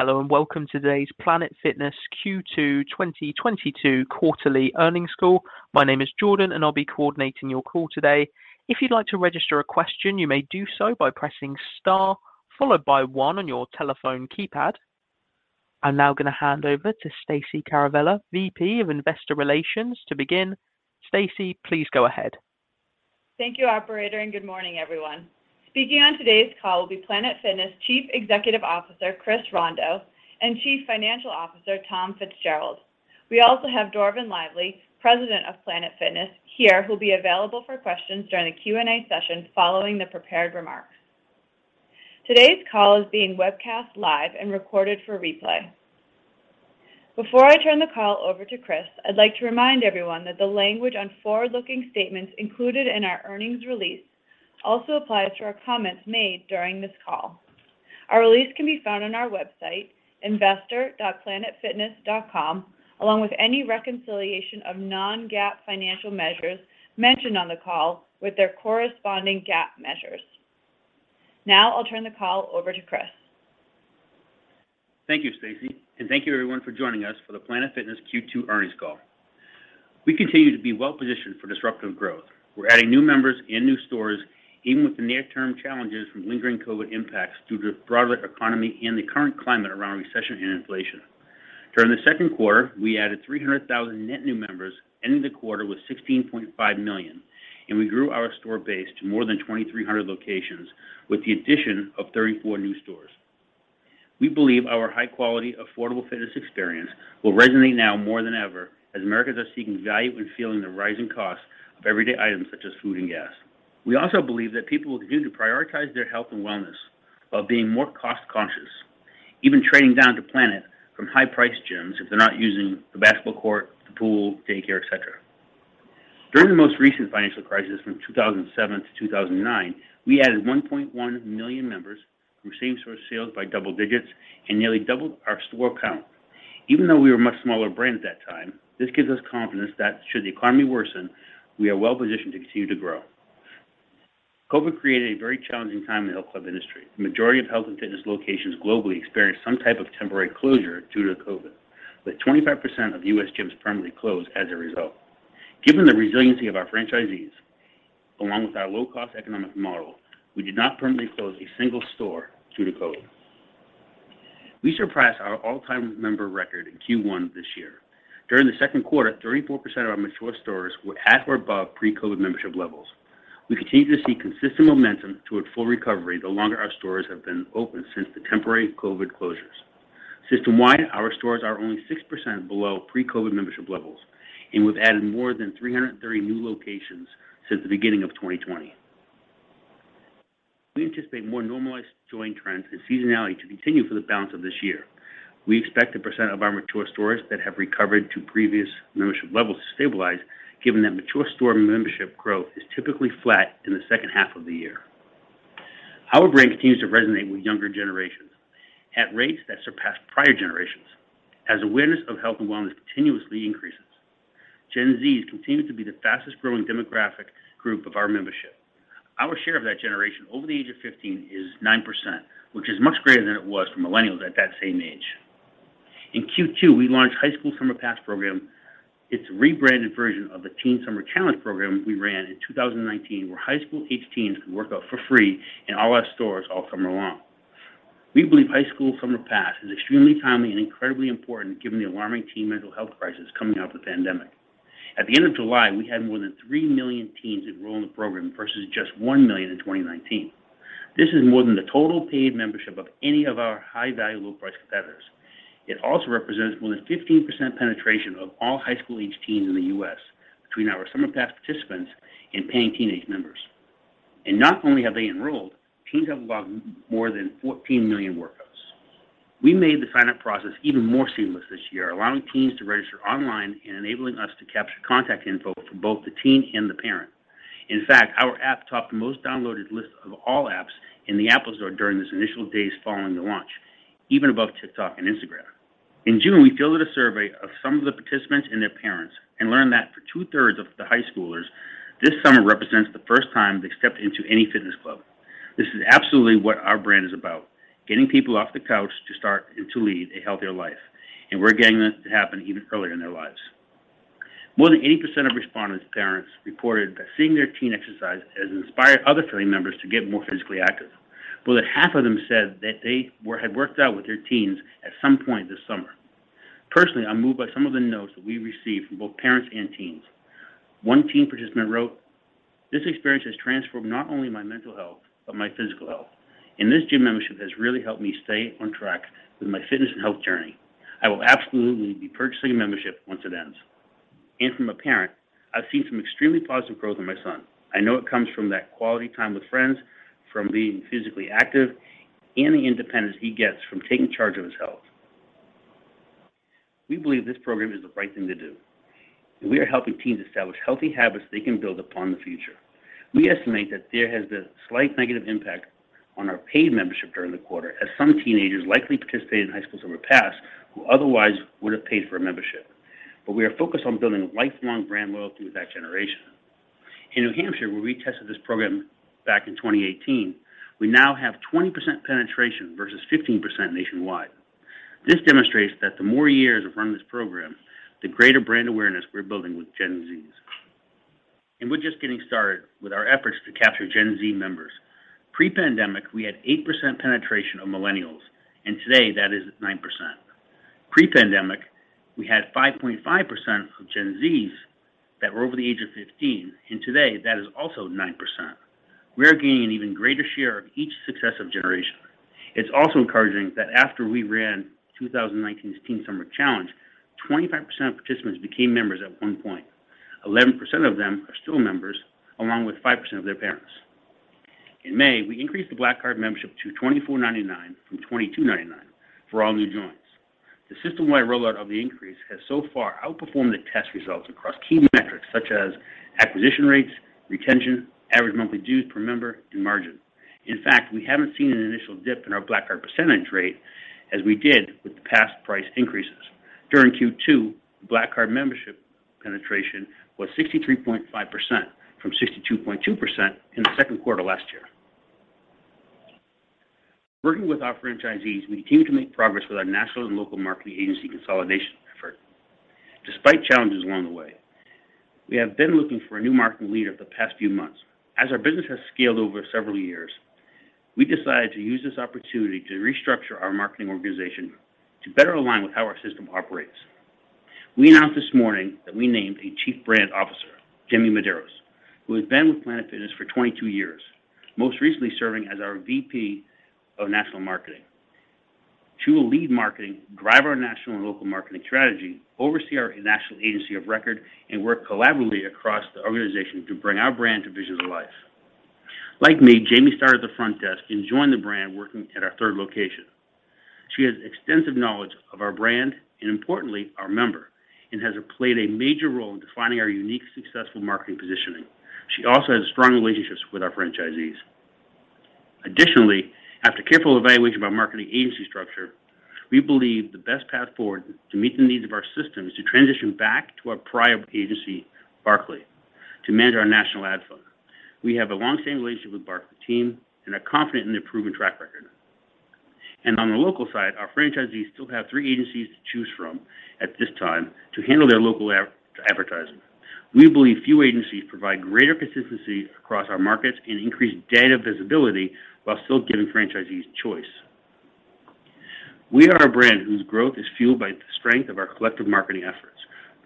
Hello and welcome to today's Planet Fitness Q2 2022 Quarterly Earnings Call. My name is Jordan, and I'll be coordinating your call today. If you'd like to register a question, you may do so by pressing star followed by 1 on your telephone keypad. I'm now gonna hand over to Stacey Caravella, VP of Investor Relations, to begin. Stacey, please go ahead. Thank you operator, and good morning, everyone. Speaking on today's call will be Planet Fitness Chief Executive Officer, Chris Rondeau, and Chief Financial Officer, Tom Fitzgerald. We also have Dorvin Lively, President of Planet Fitness here, who'll be available for questions during the Q&A session following the prepared remarks. Today's call is being webcast live and recorded for replay. Before I turn the call over to Chris, I'd like to remind everyone that the language on forward-looking statements included in our earnings release also applies to our comments made during this call. Our release can be found on our website, investor.planetfitness.com, along with any reconciliation of non-GAAP financial measures mentioned on the call with their corresponding GAAP measures. Now I'll turn the call over to Chris. Thank you, Stacey. Thank you everyone for joining us for the Planet Fitness Q2 Earnings Call. We continue to be well-positioned for disruptive growth. We're adding new members and new stores, even with the near-term challenges from lingering COVID impacts due to the broader economy and the current climate around recession and inflation. During the second quarter, we added 300,000 net new members, ending the quarter with 16.5 million, and we grew our store base to more than 2,300 locations with the addition of 34 new stores. We believe our high-quality, affordable fitness experience will resonate now more than ever as Americans are seeking value and feeling the rising cost of everyday items such as food and gas. We also believe that people will continue to prioritize their health and wellness while being more cost-conscious, even trading down to Planet from high-priced gyms if they're not using the basketball court, the pool, daycare, et cetera. During the most recent financial crisis from 2007-2009, we added 1.1 million members from same-store sales by double digits and nearly doubled our store count. Even though we were a much smaller brand at that time, this gives us confidence that should the economy worsen, we are well-positioned to continue to grow. COVID created a very challenging time in the health club industry. The majority of health and fitness locations globally experienced some type of temporary closure due to COVID, with 25% of U.S. gyms permanently closed as a result. Given the resiliency of our franchisees along with our low-cost economic model, we did not permanently close a single store due to COVID. We surpassed our all-time member record in Q1 this year. During the second quarter, 34% of our mature stores were at or above pre-COVID membership levels. We continue to see consistent momentum toward full recovery the longer our stores have been open since the temporary COVID closures. System-wide, our stores are only 6% below pre-COVID membership levels, and we've added more than 330 new locations since the beginning of 2020. We anticipate more normalized join trends and seasonality to continue for the balance of this year. We expect the percent of our mature stores that have recovered to previous membership levels to stabilize, given that mature store membership growth is typically flat in the second half of the year. Our brand continues to resonate with younger generations at rates that surpass prior generations as awareness of health and wellness continuously increases. Gen Z continues to be the fastest-growing demographic group of our membership. Our share of that generation over the age of 15 is 9%, which is much greater than it was for millennials at that same age. In Q2, we launched High School Summer Pass program. It's a rebranded version of the Teen Summer Challenge program we ran in 2019, where high school-aged teens can work out for free in all our stores all summer long. We believe High School Summer Pass is extremely timely and incredibly important given the alarming teen mental health crisis coming out of the pandemic. At the end of July, we had more than 3 million teens enroll in the program versus just 1 million in 2019. This is more than the total paid membership of any of our high-value, low-price competitors. It also represents more than 15% penetration of all high school-aged teens in the U.S. between our Summer Pass participants and paying teenage members. Not only have they enrolled, teens have logged more than 14 million workouts. We made the sign-up process even more seamless this year, allowing teens to register online and enabling us to capture contact info for both the teen and the parent. In fact, our app topped the most-downloaded list of all apps in the App Store during those initial days following the launch, even above TikTok and Instagram. In June, we fielded a survey of some of the participants and their parents and learned that for two-thirds of the high schoolers, this summer represents the first time they stepped into any fitness club. This is absolutely what our brand is about, getting people off the couch to start and to lead a healthier life, and we're getting this to happen even earlier in their lives. More than 80% of respondents' parents reported that seeing their teen exercise has inspired other family members to get more physically active. More than half of them said that they had worked out with their teens at some point this summer. Personally, I'm moved by some of the notes that we received from both parents and teens. One teen participant wrote, "This experience has transformed not only my mental health but my physical health, and this gym membership has really helped me stay on track with my fitness and health journey. I will absolutely be purchasing a membership once it ends." From a parent, "I've seen some extremely positive growth in my son. I know it comes from that quality time with friends, from being physically active, and the independence he gets from taking charge of his health." We believe this program is the right thing to do, and we are helping teens establish healthy habits they can build upon in the future. We estimate that there has been a slight negative impact on our paid membership during the quarter, as some teenagers likely participated in High School Summer Pass who otherwise would have paid for a membership. We are focused on building lifelong brand loyalty with that generation. In New Hampshire, where we tested this program back in 2018, we now have 20% penetration versus 15% nationwide. This demonstrates that the more years we run this program, the greater brand awareness we're building with Gen Z. We're just getting started with our efforts to capture Gen Z members. Pre-pandemic, we had 8% penetration of millennials, and today that is 9%. Pre-pandemic, we had 5.5% of Gen Zs that were over the age of 15, and today that is also 9%. We are gaining an even greater share of each successive generation. It's also encouraging that after we ran 2019's Teen Summer Challenge, 25% of participants became members at one point. 11% of them are still members, along with 5% of their parents. In May, we increased the Black Card membership to $24.99 from $22.99 for all new joins. The system-wide rollout of the increase has so far outperformed the test results across key metrics such as acquisition rates, retention, average monthly dues per member, and margin. In fact, we haven't seen an initial dip in our Black Card percentage rate as we did with the past price increases. During Q2, Black Card membership penetration was 63.5% from 62.2% in the second quarter last year. Working with our franchisees, we continue to make progress with our national and local marketing agency consolidation effort, despite challenges along the way. We have been looking for a new marketing leader the past few months. As our business has scaled over several years, we decided to use this opportunity to restructure our marketing organization to better align with how our system operates. We announced this morning that we named Chief Brand Officer Jamie Medeiros, who has been with Planet Fitness for 22 years, most recently serving as our VP of National Marketing. She will lead marketing, drive our national and local marketing strategy, oversee our national agency of record, and work collaboratively across the organization to bring our brand's vision to life. Like me, Jamie started at the front desk and joined the brand working at our third location. She has extensive knowledge of our brand and importantly, our members, and has played a major role in defining our uniquely successful marketing positioning. She also has strong relationships with our franchisees. Additionally, after careful evaluation of our marketing agency structure, we believe the best path forward to meet the needs of our system is to transition back to our prior agency, Barkley, to manage our national ad fund. We have a long-standing relationship with Barkley team and are confident in their proven track record. On the local side, our franchisees still have three agencies to choose from at this time to handle their local advertising. We believe few agencies provide greater consistency across our markets and increase data visibility while still giving franchisees choice. We are a brand whose growth is fueled by the strength of our collective marketing efforts.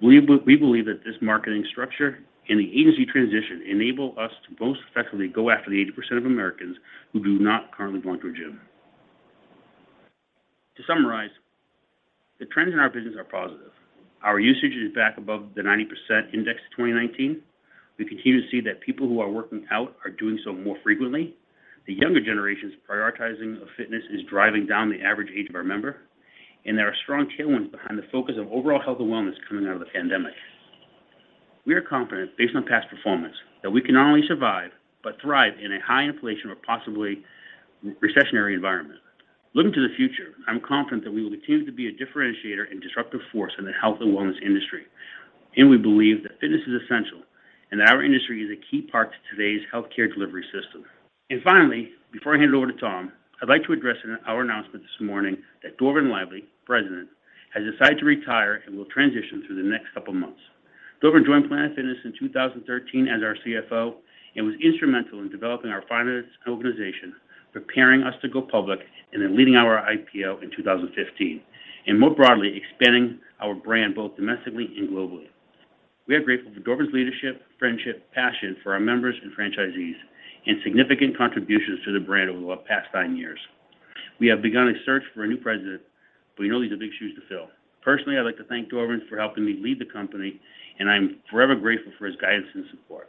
We believe that this marketing structure and the agency transition enable us to most effectively go after the 80% of Americans who do not currently belong to a gym. To summarize, the trends in our business are positive. Our usage is back above the 90% index of 2019. We continue to see that people who are working out are doing so more frequently. The younger generation's prioritizing of fitness is driving down the average age of our member, and there are strong tailwinds behind the focus of overall health and wellness coming out of the pandemic. We are confident based on past performance that we can not only survive but thrive in a high inflation or possibly recessionary environment. Looking to the future, I'm confident that we will continue to be a differentiator and disruptive force in the health and wellness industry, and we believe that fitness is essential and that our industry is a key part to today's healthcare delivery system. Finally, before I hand it over to Tom, I'd like to address our announcement this morning that Dorvin Lively, President, has decided to retire and will transition through the next couple of months. Dorvin joined Planet Fitness in 2013 as our CFO and was instrumental in developing our finance organization, preparing us to go public, and then leading our IPO in 2015, and more broadly, expanding our brand both domestically and globally. We are grateful for Dorvin's leadership, friendship, passion for our members and franchisees, and significant contributions to the brand over the past nine years. We have begun a search for a new president, but we know these are big shoes to fill. Personally, I'd like to thank Dorvin for helping me lead the company, and I'm forever grateful for his guidance and support.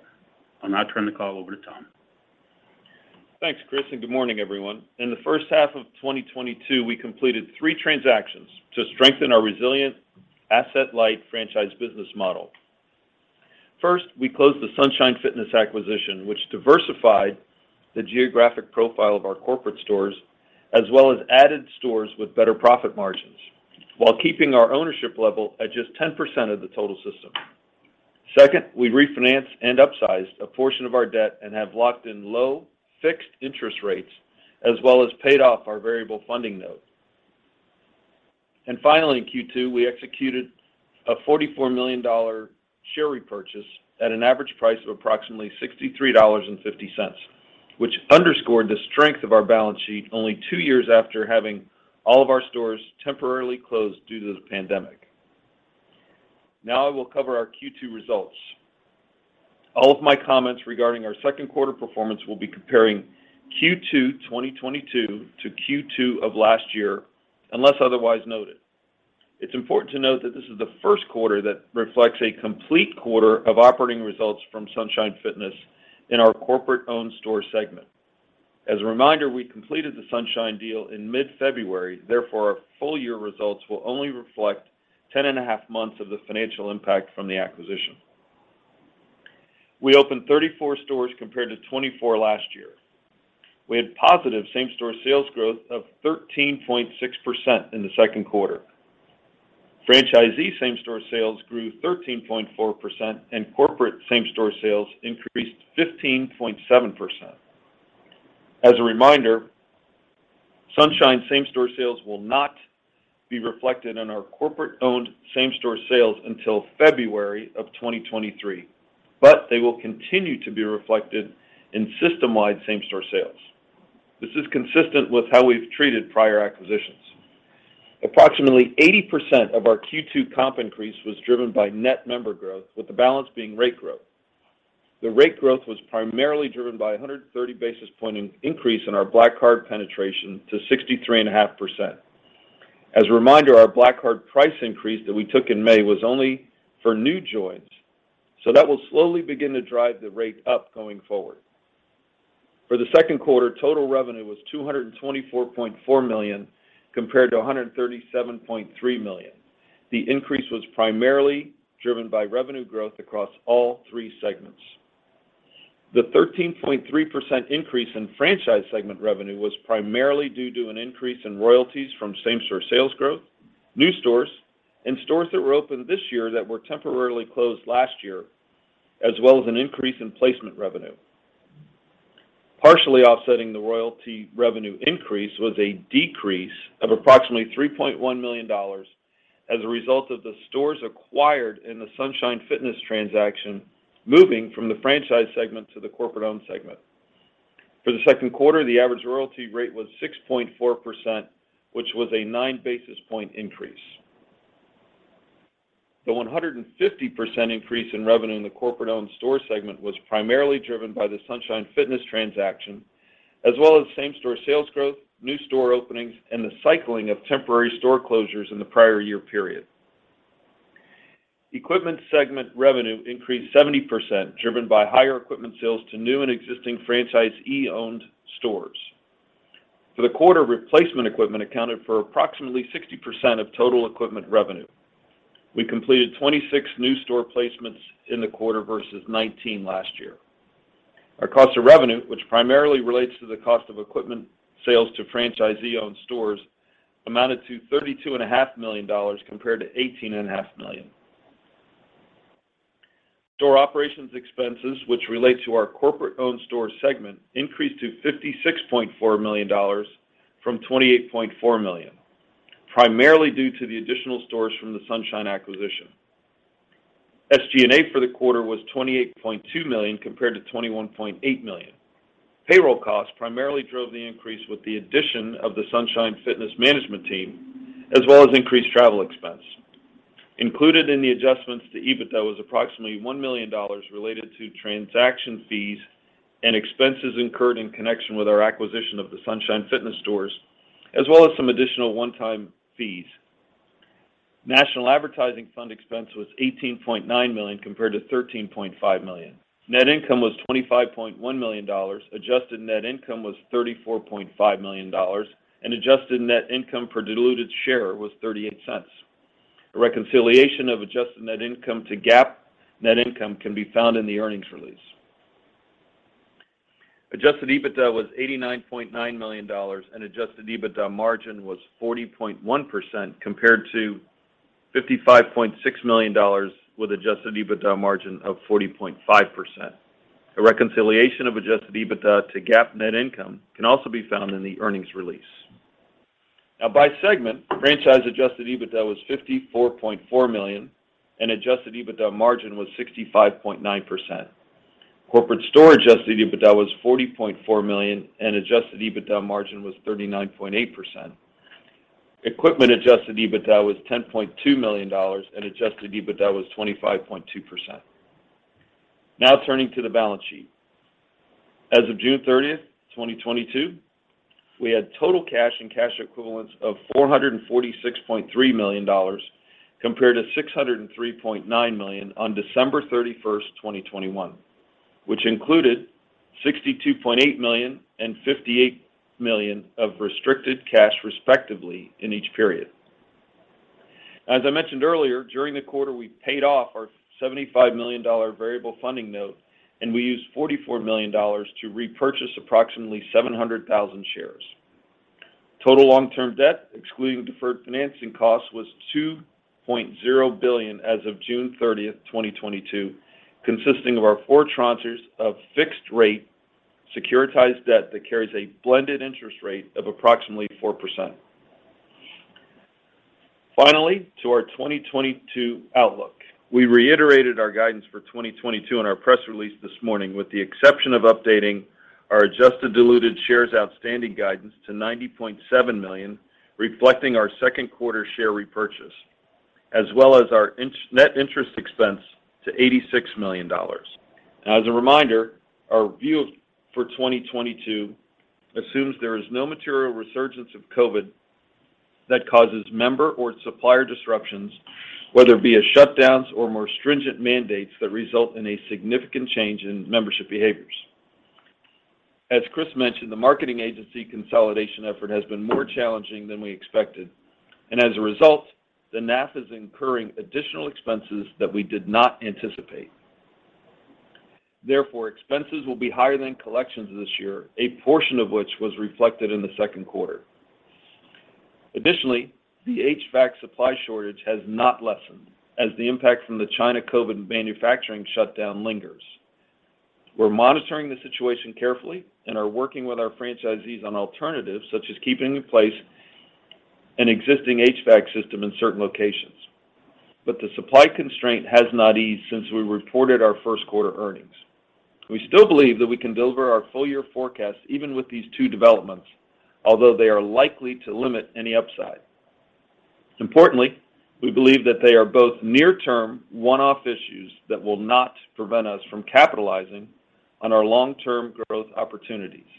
I'll now turn the call over to Tom. Thanks, Chris, and good morning, everyone. In the first half of 2022, we completed three transactions to strengthen our resilient asset-light franchise business model. First, we closed the Sunshine Fitness acquisition, which diversified the geographic profile of our corporate stores, as well as added stores with better profit margins while keeping our ownership level at just 10% of the total system. Second, we refinanced and upsized a portion of our debt and have locked in low fixed interest rates, as well as paid off our variable funding note. Finally, in Q2, we executed a $44 million share repurchase at an average price of approximately $63.50, which underscored the strength of our balance sheet only two years after having all of our stores temporarily closed due to the pandemic. Now I will cover our Q2 results. All of my comments regarding our second quarter performance will be comparing Q2 2022 to Q2 of last year, unless otherwise noted. It's important to note that this is the first quarter that reflects a complete quarter of operating results from Sunshine Fitness in our Corporate-Owned Store segment. As a reminder, we completed the Sunshine deal in mid-February. Therefore, our full year results will only reflect 10.5 months of the financial impact from the acquisition. We opened 34 stores compared to 24 last year. We had positive same-store sales growth of 13.6% in the second quarter. Franchisee same-store sales grew 13.4% and corporate same-store sales increased 15.7%. As a reminder, Sunshine same-store sales will not be reflected in our corporate-owned same-store sales until February 2023, but they will continue to be reflected in system-wide same-store sales. This is consistent with how we've treated prior acquisitions. Approximately 80% of our Q2 comp increase was driven by net member growth, with the balance being rate growth. The rate growth was primarily driven by 130 basis points increase in our Black Card penetration to 63.5%. As a reminder, our Black Card price increase that we took in May was only for new joins, so that will slowly begin to drive the rate up going forward. For the second quarter, total revenue was $224.4 million, compared to $137.3 million. The increase was primarily driven by revenue growth across all three segments. The 13.3% increase in Franchise segment revenue was primarily due to an increase in royalties from same-store sales growth, new stores, and stores that were opened this year that were temporarily closed last year, as well as an increase in placement revenue. Partially offsetting the royalty revenue increase was a decrease of approximately $3.1 million as a result of the stores acquired in the Sunshine Fitness transaction, moving from the Franchise segment to the Corporate-Owned Store segment. For the second quarter, the average royalty rate was 6.4%, which was a 9 basis points increase. The 150% increase in revenue in the Corporate-Owned Store segment was primarily driven by the Sunshine Fitness transaction, as well as same-store sales growth, new store openings, and the cycling of temporary store closures in the prior year period. Equipment segment revenue increased 70%, driven by higher equipment sales to new and existing franchisee-owned stores. For the quarter, replacement equipment accounted for approximately 60% of total equipment revenue. We completed 26 new store placements in the quarter versus 19 last year. Our cost of revenue, which primarily relates to the cost of equipment sales to franchisee-owned stores, amounted to $32.5 million compared to $18.5 million. Store operations expenses, which relate to our Corporate-Owned Store segment, increased to $56.4 million from $28.4 million, primarily due to the additional stores from the Sunshine acquisition. SG&A for the quarter was $28.2 million compared to $21.8 million. Payroll costs primarily drove the increase with the addition of the Sunshine Fitness management team, as well as increased travel expense. Included in the adjustments to EBITDA was approximately $1 million related to transaction fees and expenses incurred in connection with our acquisition of the Sunshine Fitness stores, as well as some additional one-time fees. National advertising fund expense was $18.9 million compared to $13.5 million. Net income was $25.1 million, adjusted net income was $34.5 million, and adjusted net income per diluted share was $0.38. A reconciliation of adjusted net income to GAAP net income can be found in the earnings release. Adjusted EBITDA was $89.9 million, and Adjusted EBITDA margin was 40.1% compared to $55.6 million with Adjusted EBITDA margin of 40.5%. A reconciliation of Adjusted EBITDA to GAAP net income can also be found in the earnings release. By segment, Franchise Adjusted EBITDA was $54.4 million, and Adjusted EBITDA margin was 65.9%. Corporate Store Adjusted EBITDA was $40.4 million, and Adjusted EBITDA margin was 39.8%. Equipment Adjusted EBITDA was $10.2 million, and Adjusted EBITDA margin was 25.2%. Turning to the balance sheet. As of June 30, 2022, we had total cash and cash equivalents of $446.3 million compared to $603.9 million on December 31, 2021, which included $62.8 million and $58 million of restricted cash respectively in each period. As I mentioned earlier, during the quarter, we paid off our $75 million variable funding note, and we used $44 million to repurchase approximately 700,000 shares. Total long-term debt, excluding deferred financing costs, was $2.0 billion as of June 30, 2022, consisting of our four tranches of fixed rate securitized debt that carries a blended interest rate of approximately 4%. Finally, to our 2022 outlook. We reiterated our guidance for 2022 in our press release this morning, with the exception of updating our adjusted diluted shares outstanding guidance to $90.7 million, reflecting our second quarter share repurchase, as well as our net interest expense to $86 million. As a reminder, our view for 2022 assumes there is no material resurgence of COVID that causes member or supplier disruptions, whether it be as shutdowns or more stringent mandates that result in a significant change in membership behaviors. As Chris mentioned, the marketing agency consolidation effort has been more challenging than we expected, and as a result, the NAF is incurring additional expenses that we did not anticipate. Therefore, expenses will be higher than collections this year, a portion of which was reflected in the second quarter. Additionally, the HVAC supply shortage has not lessened as the impact from the China COVID manufacturing shutdown lingers. We're monitoring the situation carefully and are working with our franchisees on alternatives, such as keeping in place an existing HVAC system in certain locations. The supply constraint has not eased since we reported our first quarter earnings. We still believe that we can deliver our full year forecast even with these two developments, although they are likely to limit any upside. Importantly, we believe that they are both near term, one-off issues that will not prevent us from capitalizing on our long-term growth opportunities.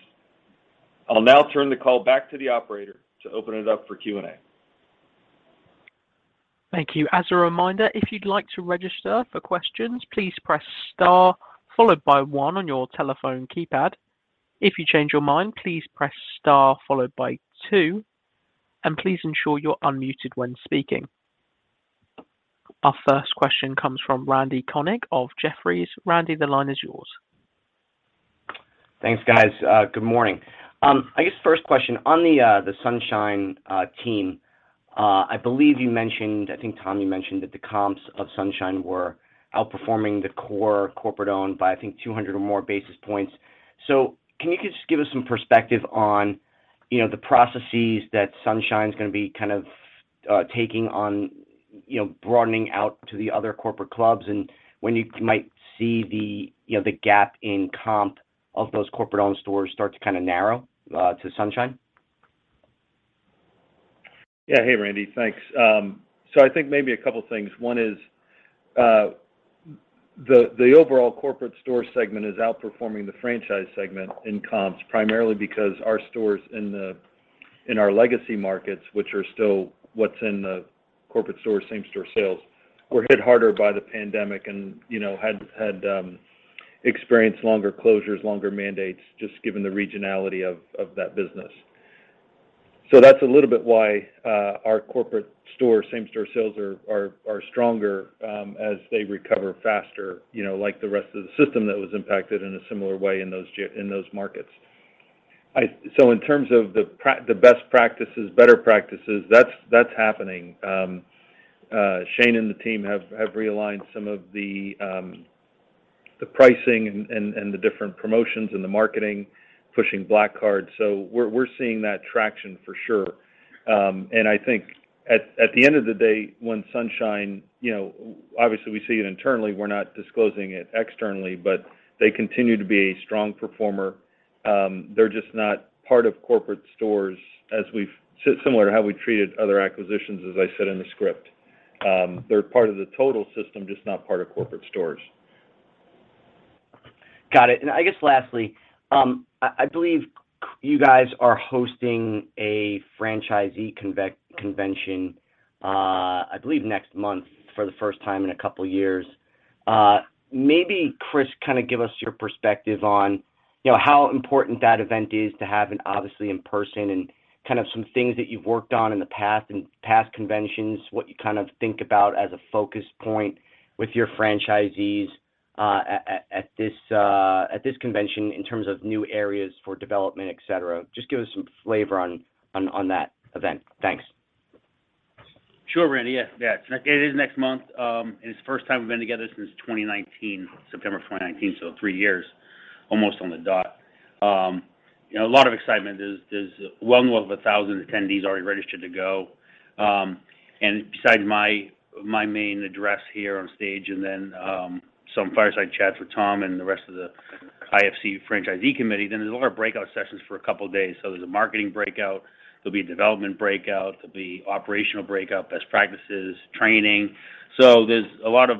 I'll now turn the call back to the operator to open it up for Q&A. Thank you. As a reminder, if you'd like to register for questions, please press star followed by 1 on your telephone keypad. If you change your mind, please press star followed by 2, and please ensure you're unmuted when speaking. Our first question comes from Randy Konik of Jefferies. Randy, the line is yours. Thanks, guys. Good morning. I guess first question, on the Sunshine Fitness team, I believe you mentioned, I think, Tom, you mentioned that the comps of Sunshine Fitness were outperforming the core corporate-owned by, I think, 200 or more basis points. Can you just give us some perspective on, you know, the processes that Sunshine Fitness is gonna be kind of taking on, you know, broadening out to the other corporate clubs? When you might see the, you know, the gap in comp of those corporate-owned stores start to kind of narrow to Sunshine Fitness? Yeah. Hey, Randy. Thanks. So I think maybe a couple of things. One is, the overall Corporate Store segment is outperforming the Franchise segment in comps, primarily because our stores in our legacy markets, which are still what's in the corporate store same-store sales, were hit harder by the pandemic and, you know, had experienced longer closures, longer mandates, just given the regionality of that business. So that's a little bit why our corporate store same-store sales are stronger, as they recover faster, you know, like the rest of the system that was impacted in a similar way in those markets. So in terms of the best practices, better practices, that's happening. Shane and the team have realigned some of the pricing and the different promotions and the marketing pushing Black Card. We're seeing that traction for sure. I think at the end of the day, when Sunshine, you know, obviously, we see it internally, we're not disclosing it externally, but they continue to be a strong performer. They're just not part of corporate stores similar to how we treated other acquisitions, as I said in the script. They're part of the total system, just not part of corporate stores. Got it. I guess lastly, I believe you guys are hosting a franchisee convention next month for the first time in a couple of years. Maybe Chris, kind of give us your perspective on, you know, how important that event is to have and obviously in person and kind of some things that you've worked on in the past, in past conventions, what you kind of think about as a focus point with your franchisees at this convention in terms of new areas for development, et cetera. Just give us some flavor on that event. Thanks. Sure, Randy. Yeah, yeah. It is next month. It's the first time we've been together since 2019, September of 2019, so three years almost on the dot. You know, a lot of excitement. There's well over 1,000 attendees already registered to go. Besides my main address here on stage and then, some fireside chats with Tom and the rest of the IFC Franchise Committee, then there's a lot of breakout sessions for a couple of days. There's a marketing breakout. There'll be a development breakout. There'll be operational breakout, best practices, training. There's a lot of,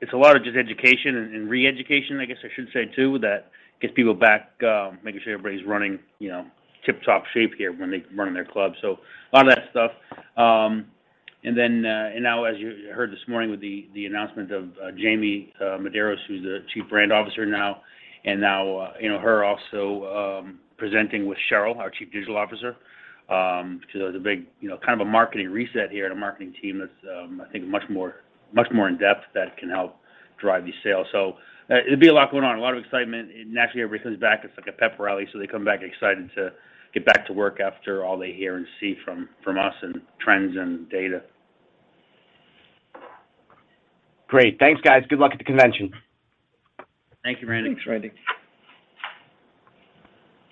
it's a lot of just education and re-education, I guess I should say, too, that gets people back, making sure everybody's running, you know, tip-top shape here when they run their club. A lot of that stuff. Now as you heard this morning with the announcement of Jamie Medeiros, who's the Chief Brand Officer now, and you know, her also presenting with Sherrill Kaplan, our Chief Digital Officer, 'cause there's a big, you know, kind of a marketing reset here and a marketing team that's, I think much more in-depth that can help drive these sales. It'll be a lot going on, a lot of excitement. Naturally, everybody comes back, it's like a pep rally. They come back excited to get back to work after all they hear and see from us in trends and data. Great. Thanks, guys. Good luck at the convention. Thank you, Randy. Thanks, Randy.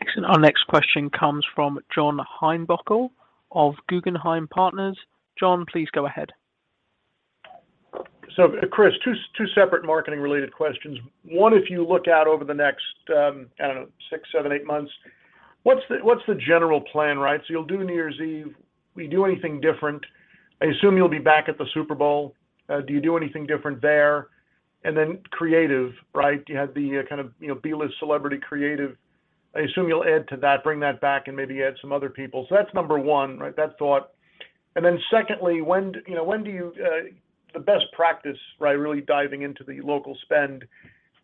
Excellent. Our next question comes from John Heinbockel of Guggenheim Partners. John, please go ahead. Chris, two separate marketing related questions. One, if you look out over the next, I don't know, six, seven, eight months, what's the general plan, right? You'll do New Year's Eve. Will you do anything different? I assume you'll be back at the Super Bowl. Do you do anything different there? And then creative, right? You had the, kind of, you know, B-list celebrity creative. I assume you'll add to that, bring that back and maybe add some other people. That's number one, right? That thought. And then secondly, when, you know, when do you, the best practice, right, really diving into the local spend,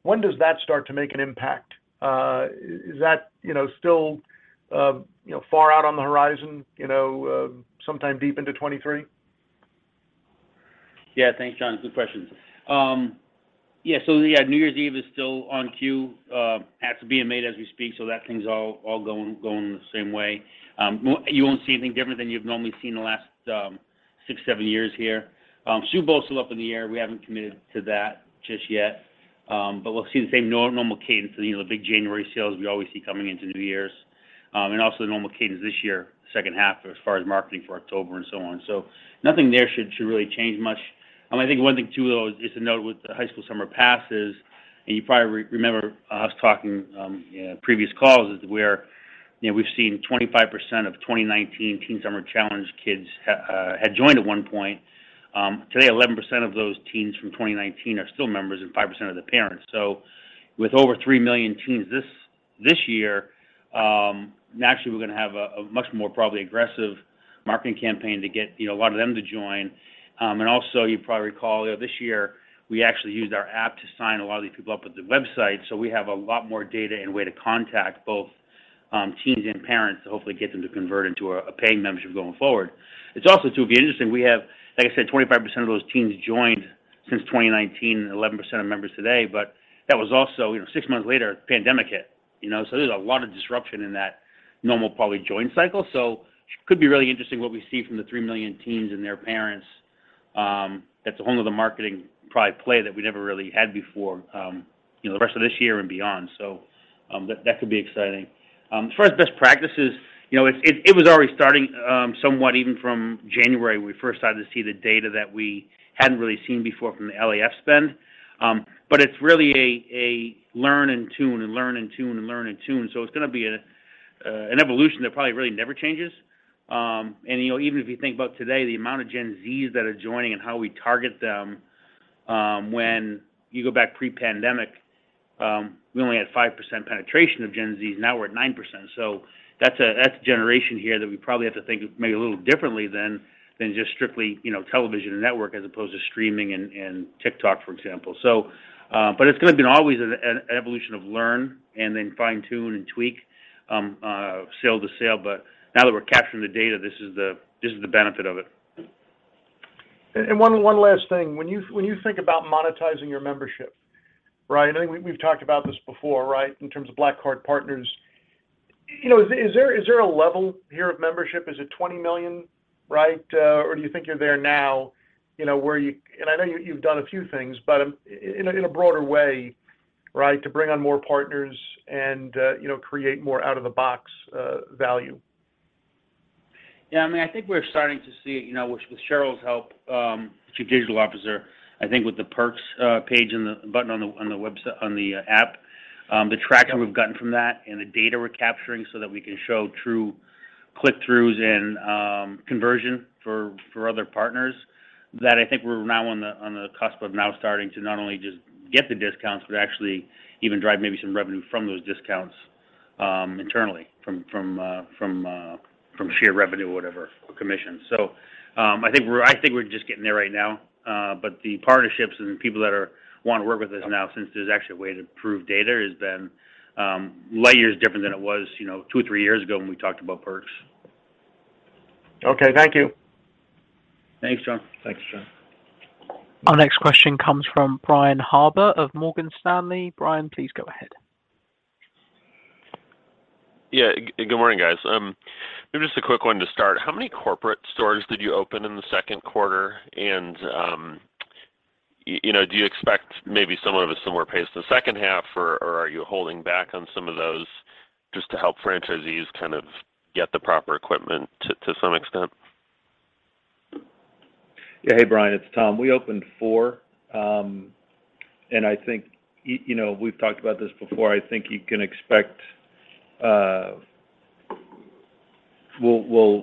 when does that start to make an impact? Is that, you know, still, you know, far out on the horizon, you know, sometime deep into 2023? Yeah. Thanks, John. Good questions. Yeah, so the New Year's Eve is still on cue at ABC as we speak, so that's all going the same way. You won't see anything different than you've normally seen the last six, seven years here. Super Bowl is still up in the air. We haven't committed to that just yet. But we'll see the same normal cadence in, you know, the big January sales we always see coming into the New Year. Also the normal cadence this year, second half, as far as marketing for October and so on. Nothing there should really change much. I think one thing too, though, is to note with the high school summer passes, and you probably remember us talking previous calls is where, you know, we've seen 25% of 2019 Teen Summer Challenge kids had joined at one point. Today, 11% of those teens from 2019 are still members, and 5% of the parents. With over 3 million teens this year, naturally we're gonna have a much more probably aggressive marketing campaign to get, you know, a lot of them to join. Also you probably recall, you know, this year, we actually used our app to sign a lot of these people up with the website, so we have a lot more data and way to contact both, teens and parents to hopefully get them to convert into a paying membership going forward. It's also too will be interesting, we have, like I said, 25% of those teens joined since 2019, and 11% are members today, but that was also. You know, six months later, pandemic hit, you know. There's a lot of disruption in that normal probably join cycle. could be really interesting what we see from the 3 million teens and their parents, that's a whole nother marketing probably play that we never really had before, you know, the rest of this year and beyond. That could be exciting. As far as best practices, you know, it was already starting somewhat even from January when we first started to see the data that we hadn't really seen before from the NAF spend. But it's really a learn and tune. It's gonna be an evolution that probably really never changes. You know, even if you think about today, the amount of Gen Z that are joining and how we target them, when you go back pre-pandemic, we only had 5% penetration of Gen Z. Now we're at 9%. That's a generation here that we probably have to think maybe a little differently than just strictly, you know, television and network as opposed to streaming and TikTok, for example. It's gonna been always an evolution of learn and then fine-tune and tweak, sale to sale, but now that we're capturing the data, this is the benefit of it. One last thing. When you think about monetizing your membership, right, I think we've talked about this before, right, in terms of Black Card partners. You know, is there a level here of membership? Is it 20 million, right? Or do you think you're there now, you know, where you I know you've done a few things, but in a broader way, right, to bring on more partners and you know, create more out-of-the-box value. Yeah. I mean, I think we're starting to see it, you know, which with Sherrill's help, she's Digital Officer, I think with the perks page and the button on the app. The traction. Yeah... we've gotten from that and the data we're capturing so that we can show true click-throughs and conversion for other partners, that I think we're now on the cusp of starting to not only just get the discounts, but actually even drive maybe some revenue from those discounts, internally from sheer revenue or whatever, or commission. I think we're just getting there right now. The partnerships and the people that are wanting to work with us now since there's actually a way to prove data is been light years different than it was, you know, two or three years ago when we talked about perks. Okay. Thank you. Thanks, John. Thanks, John. Our next question comes from Brian Harbour of Morgan Stanley. Brian, please go ahead. Yeah. Good morning, guys. Maybe just a quick one to start. How many corporate stores did you open in the second quarter? You know, do you expect maybe somewhat of a similar pace in the second half, or are you holding back on some of those just to help franchisees kind of get the proper equipment to some extent? Yeah. Hey, Brian. It's Tom. We opened four, and I think, you know, we've talked about this before. I think you can expect. We'll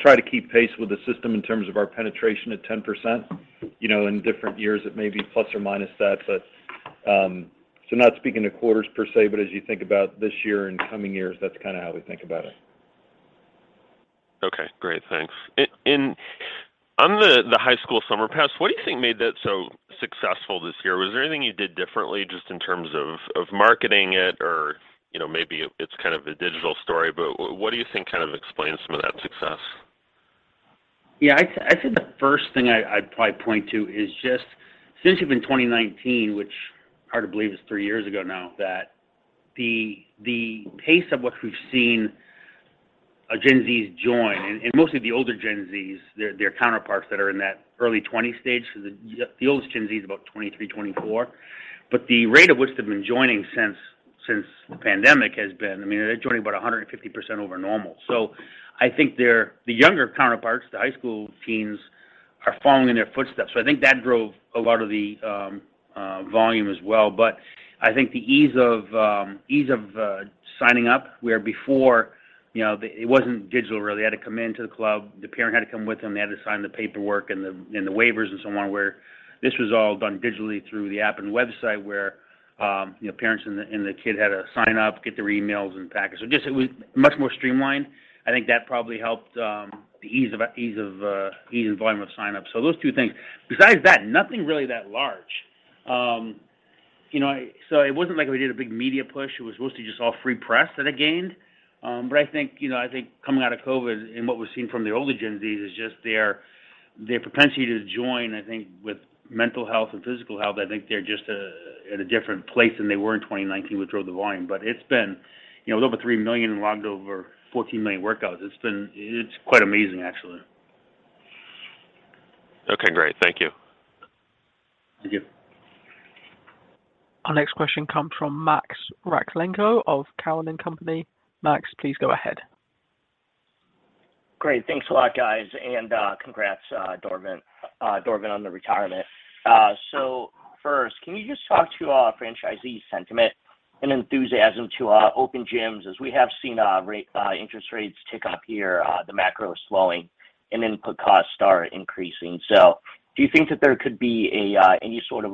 try to keep pace with the system in terms of our penetration at 10%. You know, in different years it may be plus or minus that, but so not speaking to quarters per se, but as you think about this year and coming years, that's kind of how we think about it. Okay. Great. Thanks. On the High School Summer Pass, what do you think made that so successful this year? Was there anything you did differently just in terms of marketing it or, you know, maybe it's kind of a digital story, but what do you think kind of explains some of that success? Yeah. I'd say the first thing I'd probably point to is just since even 2019, which is hard to believe is three years ago now, that the pace of what we've seen, Gen Z's join and mostly the older Gen Z's, their counterparts that are in that early 20 stage, so the oldest Gen Z is about 23, 24. The rate at which they've been joining since the pandemic has been. I mean, they're joining about 150% over normal. I think they're the younger counterparts, the high school teens, are following in their footsteps, so I think that drove a lot of the volume as well. I think the ease of signing up, where before, you know, it wasn't digital really. They had to come into the club. The parent had to come with them. They had to sign the paperwork and the waivers and so on, where this was all done digitally through the app and website where, you know, parents and the kid had to sign up, get their emails and packets. Just, it was much more streamlined. I think that probably helped, the ease of volume of signups. Those two things. Besides that, nothing really that large. You know, it wasn't like we did a big media push. It was mostly just all free press that it gained. I think, you know, I think coming out of COVID and what we've seen from the older Gen Zs is just their propensity to join, I think, with mental health and physical health, I think they're just at a different place than they were in 2019 with Grow the Volume. It's been, you know, over 3 million logged, over 14 million workouts. It's been quite amazing, actually. Okay, great. Thank you. Thank you. Our next question comes from Max Rakhlenko of Cowen and Company. Max, please go ahead. Great. Thanks a lot, guys, and congrats, Dorvin, on the retirement. First, can you just talk to franchisee sentiment and enthusiasm to open gyms as we have seen interest rates tick up here, the macro slowing and input costs start increasing. Do you think that there could be any sort of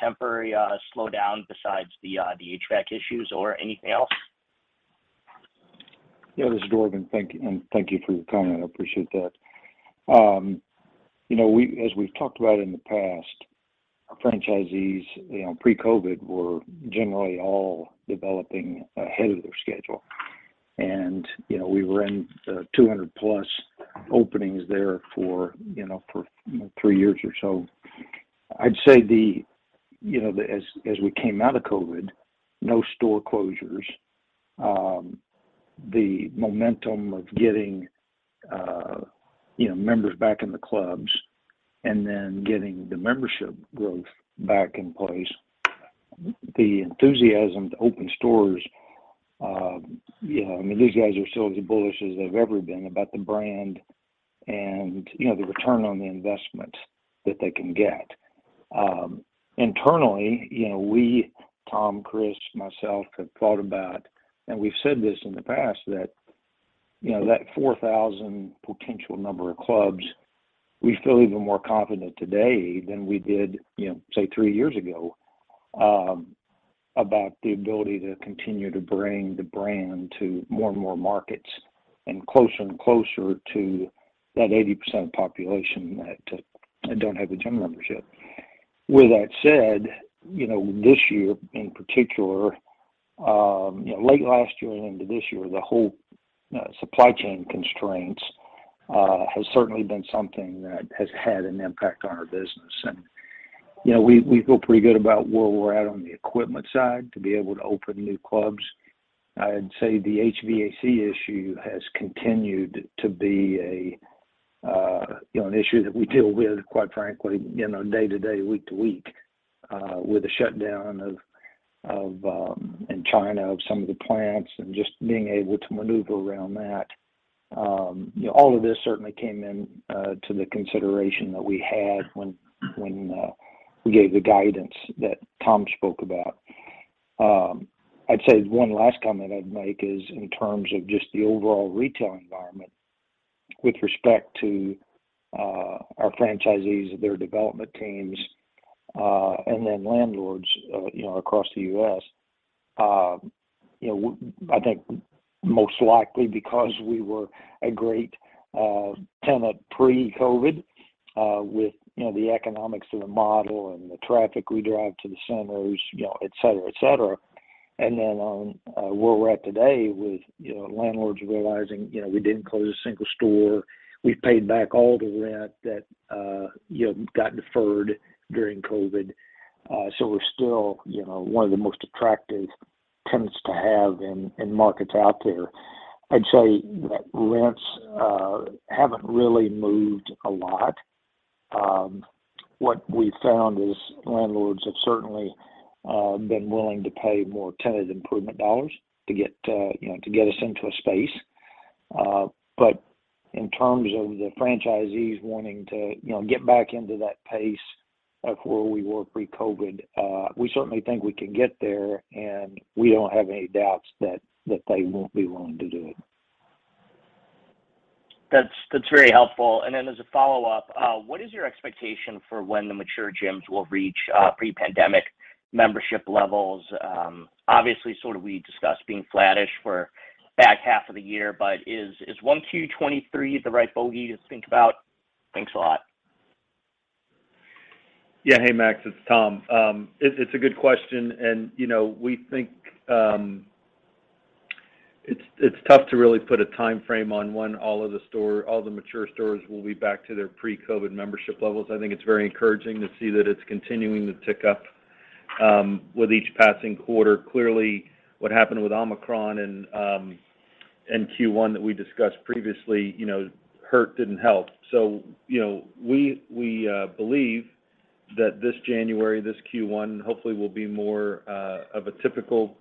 temporary slowdown besides the HVAC issues or anything else? Yeah, this is Dorvin. Thank you, and thank you for your comment. I appreciate that. You know, we, as we've talked about in the past, our franchisees, you know, pre-COVID, were generally all developing ahead of their schedule. You know, we were in 200+ openings there for three years or so. I'd say, as we came out of COVID, no store closures, the momentum of getting you know, members back in the clubs and then getting the membership growth back in place, the enthusiasm to open stores, you know, I mean, these guys are still as bullish as they've ever been about the brand and you know, the return on the investment that they can get. Internally, you know, we, Tom, Chris, myself, have thought about, and we've said this in the past, that, you know, that 4,000 potential number of clubs, we feel even more confident today than we did, you know, say, three years ago, about the ability to continue to bring the brand to more and more markets and closer and closer to that 80% population that don't have a gym membership. With that said, you know, this year in particular, you know, late last year and into this year, the whole supply chain constraints has certainly been something that has had an impact on our business. You know, we feel pretty good about where we're at on the equipment side to be able to open new clubs. I'd say the HVAC issue has continued to be a, you know, an issue that we deal with, quite frankly, you know, day to day, week to week, with the shutdown of some of the plants in China and just being able to maneuver around that. You know, all of this certainly came in to the consideration that we had when we gave the guidance that Tom spoke about. I'd say one last comment I'd make is in terms of just the overall retail environment with respect to our franchisees, their development teams, and then landlords, you know, across the U.S. You know, I think most likely because we were a great tenant pre-COVID, with, you know, the economics of the model and the traffic we drive to the centers, you know, et cetera. Where we're at today with, you know, landlords realizing, you know, we didn't close a single store. We've paid back all the rent that, you know, got deferred during COVID. We're still, you know, one of the most attractive tenants to have in markets out there. I'd say that rents haven't really moved a lot. What we found is landlords have certainly been willing to pay more tenant improvement dollars to get, you know, us into a space. In terms of the franchisees wanting to, you know, get back into that pace of where we were pre-COVID, we certainly think we can get there, and we don't have any doubts that they won't be willing to do it. That's very helpful. Then as a follow-up, what is your expectation for when the mature gyms will reach pre-pandemic membership levels? Obviously, sort of we discussed being flattish for back half of the year, but is Q1 2023 the right bogey to think about? Thanks a lot. Yeah. Hey, Max Rakhlenko. It's Tom Fitzgerald. It's a good question, and you know, we think it's tough to really put a time frame on when all of the mature stores will be back to their pre-COVID membership levels. I think it's very encouraging to see that it's continuing to tick up with each passing quarter. Clearly, what happened with Omicron and Q1 that we discussed previously, you know, hurt didn't help. You know, we believe that this January, this Q1, hopefully, will be more of a typical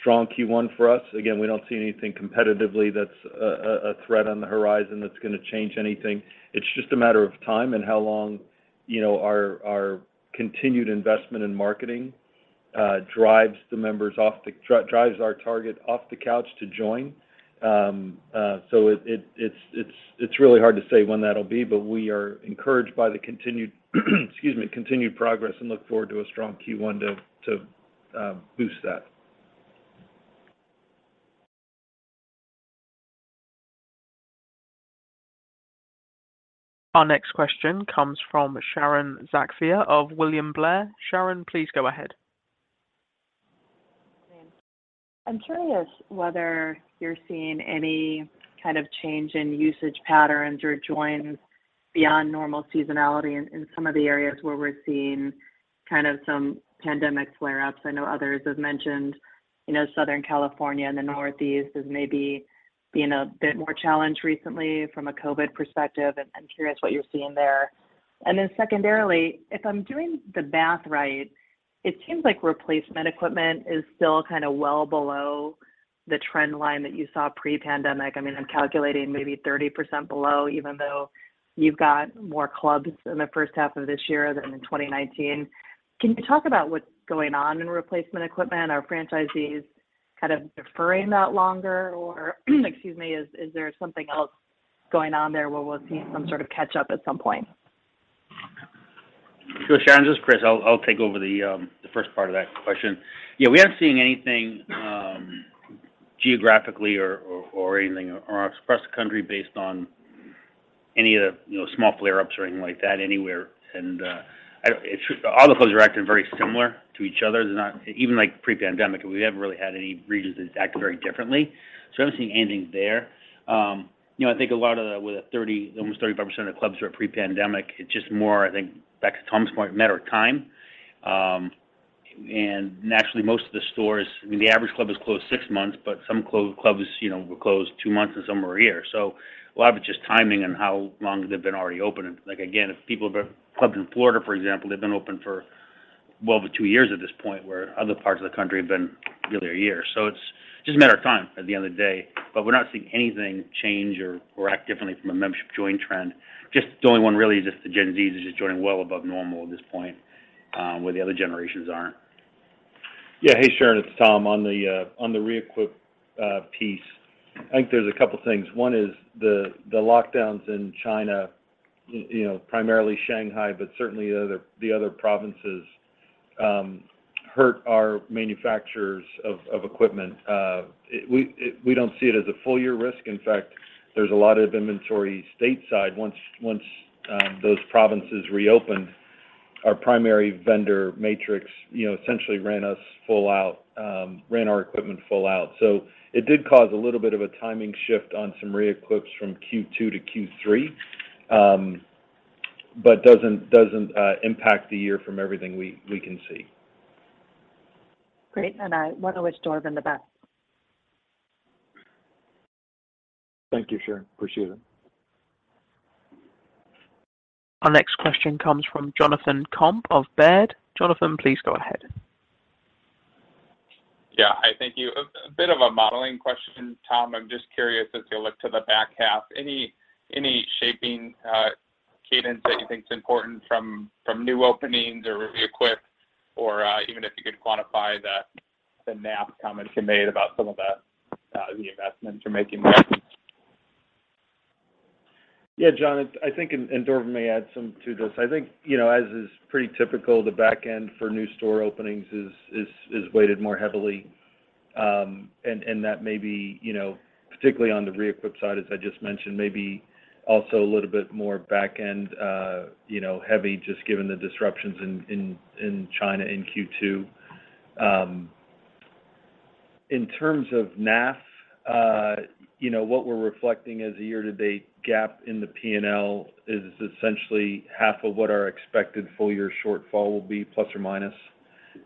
strong Q1 for us. Again, we don't see anything competitively that's a threat on the horizon that's gonna change anything. It's just a matter of time and how long, you know, our continued investment in marketing drives our target off the couch to join. It's really hard to say when that'll be, but we are encouraged by the continued progress and look forward to a strong Q1 to boost that. Our next question comes from Sharon Zackfia of William Blair. Sharon, please go ahead. I'm curious whether you're seeing any kind of change in usage patterns or joins beyond normal seasonality in some of the areas where we're seeing kind of some pandemic flare-ups. I know others have mentioned, you know, Southern California and the Northeast as maybe being a bit more challenged recently from a COVID perspective. I'm curious what you're seeing there. Then secondarily, if I'm doing the math right, it seems like replacement equipment is still kind of well below the trend line that you saw pre-pandemic. I mean, I'm calculating maybe 30% below, even though you've got more clubs in the first half of this year than in 2019. Can you talk about what's going on in replacement equipment? Are franchisees kind of deferring that longer, or, excuse me, is there something else going on there where we'll see some sort of catch-up at some point? Sure, Sharon, this is Chris. I'll take over the first part of that question. Yeah, we aren't seeing anything geographically or anything across the country based on any of the, you know, small flare-ups or anything like that anywhere. It's just all the clubs are acting very similar to each other. They're not even like pre-pandemic, we haven't really had any regions that act very differently. So I haven't seen anything there. You know, I think a lot of that with the 30, almost 35% of clubs are pre-pandemic, it's just more, I think, back to Tom's point, a matter of time. Naturally, most of the stores, I mean, the average club is closed six months, but some clubs, you know, were closed two months, and some were a year. A lot of it's just timing and how long they've been already open. Like, again, if people have clubs in Florida, for example, they've been open for well over two years at this point, where other parts of the country have been really a year. It's just a matter of time at the end of the day. We're not seeing anything change or act differently from a membership join trend. The only one really is just the Gen Zs are just joining well above normal at this point, where the other generations aren't. Yeah. Hey, Sharon, it's Tom. On the reequip piece, I think there's a couple things. One is the lockdowns in China, you know, primarily Shanghai, but certainly the other provinces hurt our manufacturers of equipment. We don't see it as a full year risk. In fact, there's a lot of inventory stateside. Once those provinces reopened, our primary vendor Matrix, you know, essentially ran us full out, ran our equipment full out. It did cause a little bit of a timing shift on some reequips from Q2 to Q3. But doesn't impact the year from everything we can see. Great. I want to wish Dorvin the best. Thank you, Sharon. Appreciate it. Our next question comes from Jonathan Komp of Baird. Jonathan, please go ahead. Yeah. Thank you. A bit of a modeling question, Tom. I'm just curious as you look to the back half, any shaping, cadence that you think is important from new openings or reequip? Or even if you could quantify the NAF comment you made about some of the investments you're making there. Yeah, John. I think, and Dorvin may add some to this. I think, you know, as is pretty typical, the back end for new store openings is weighted more heavily. And that may be, you know, particularly on the reequip side, as I just mentioned, maybe also a little bit more back end heavy just given the disruptions in China in Q2. In terms of NAF, you know, what we're reflecting as a year-to-date gap in the P&L is essentially half of what our expected full year shortfall will be, plus or minus.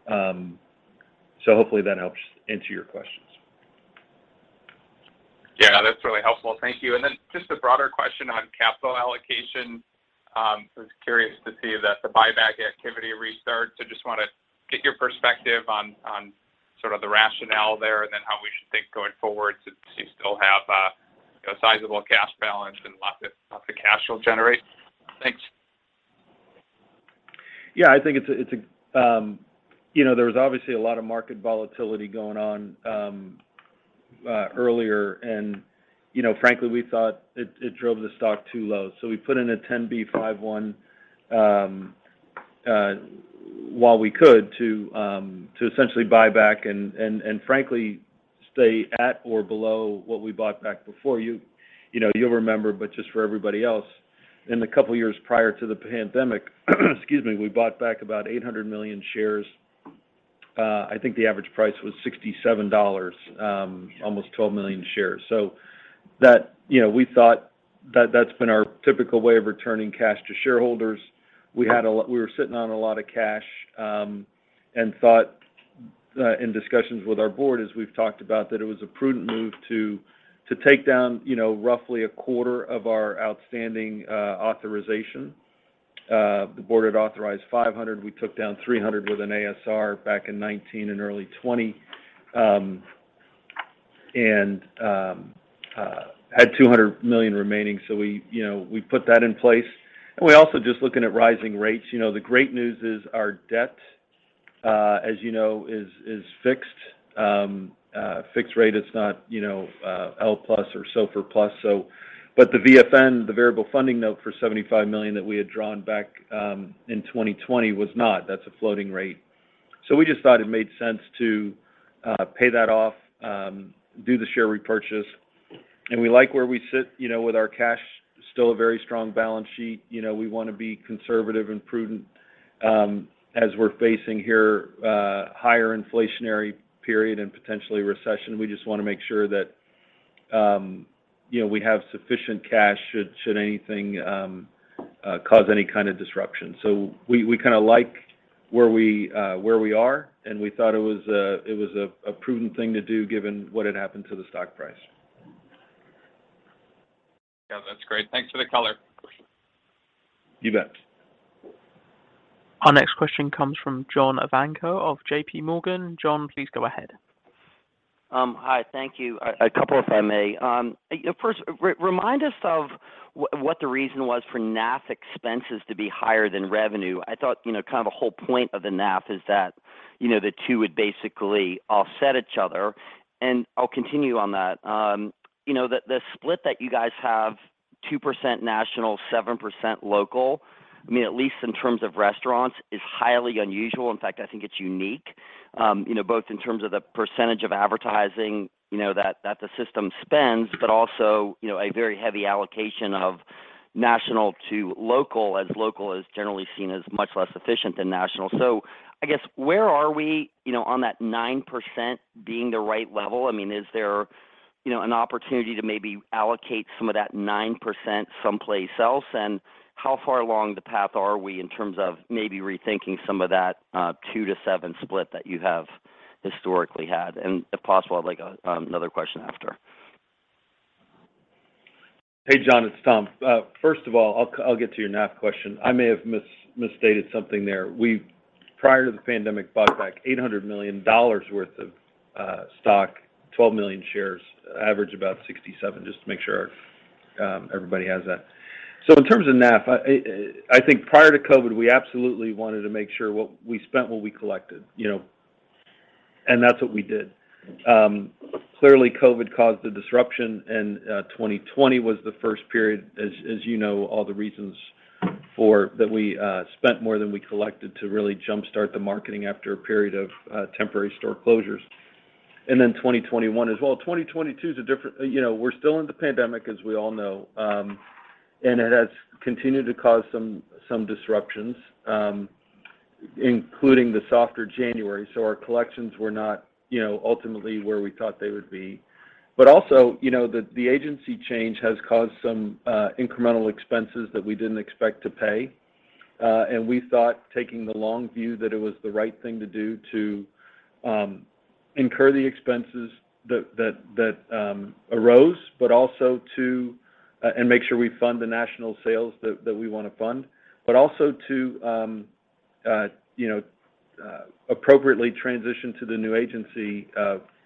So hopefully that helps answer your questions. Yeah. That's really helpful. Thank you. Just a broader question on capital allocation. Was curious to see that the buyback activity restart. Just wanna get your perspective on sort of the rationale there and then how we should think going forward since you still have you know, a sizable cash balance and lots of cash you'll generate. Thanks. Yeah, I think it's a. You know, there was obviously a lot of market volatility going on earlier. You know, frankly, we thought it drove the stock too low. We put in a 10b5-1 while we could to essentially buy back and frankly stay at or below what we bought back before. You know, you'll remember, but just for everybody else, in the couple years prior to the pandemic, excuse me, we bought back about $800 million worth of shares. I think the average price was $67, almost 12 million shares. You know, we thought that that's been our typical way of returning cash to shareholders. We were sitting on a lot of cash and thought, in discussions with our board, as we've talked about, that it was a prudent move to take down, you know, roughly a quarter of our outstanding authorization. The board had authorized $500 million. We took down $300 million with an ASR back in 2019 and early 2020 and had $200 million remaining. We, you know, we put that in place. We're also just looking at rising rates. You know, the great news is our debt, as you know, is fixed. The fixed rate is not, you know, L plus or SOFR plus. The VFN, the variable funding note for $75 million that we had drawn back in 2020 was not. That's a floating rate. We just thought it made sense to pay that off, do the share repurchase, and we like where we sit, you know, with our cash, still a very strong balance sheet. You know, we wanna be conservative and prudent, as we're facing here, higher inflationary period and potential recession. We just wanna make sure that, you know, we have sufficient cash should anything cause any kind of disruption. We kinda like where we are, and we thought it was a prudent thing to do given what had happened to the stock price. Yeah, that's great. Thanks for the color. You bet. Our next question comes from John Ivankoe of J.P. Morgan. John, please go ahead. Hi. Thank you. A couple if I may. First, remind us of what the reason was for NAF expenses to be higher than revenue. I thought, you know, kind of a whole point of the NAF is that, you know, the two would basically offset each other, and I'll continue on that. You know, the split that you guys have, 2% national, 7% local, I mean, at least in terms of restaurants, is highly unusual. In fact, I think it's unique, you know, both in terms of the percentage of advertising, you know, that the system spends, but also, you know, a very heavy allocation of national to local as local is generally seen as much less efficient than national. So I guess where are we, you know, on that 9% being the right level? I mean, is there, you know, an opportunity to maybe allocate some of that 9% someplace else? How far along the path are we in terms of maybe rethinking some of that 2-7 split that you have historically had? If possible, I'd like another question after. Hey, John, it's Tom. First of all, I'll get to your NAF question. I may have misstated something there. We, prior to the pandemic, bought back $800 million worth of stock, 12 million shares, average about 67, just to make sure everybody has that. So in terms of NAF, I think prior to COVID, we absolutely wanted to make sure we spent what we collected, you know, and that's what we did. Clearly COVID caused a disruption and 2020 was the first period as you know, all the reasons for that we spent more than we collected to really jumpstart the marketing after a period of temporary store closures. Then 2021 as well. 2022 is a different. You know, we're still in the pandemic, as we all know. It has continued to cause some disruptions, including the softer January. Our collections were not, you know, ultimately where we thought they would be. You know, the agency change has caused some incremental expenses that we didn't expect to pay. We thought taking the long view that it was the right thing to do to incur the expenses that arose, but also to make sure we fund the national sales that we wanna fund, but also to you know, appropriately transition to the new agency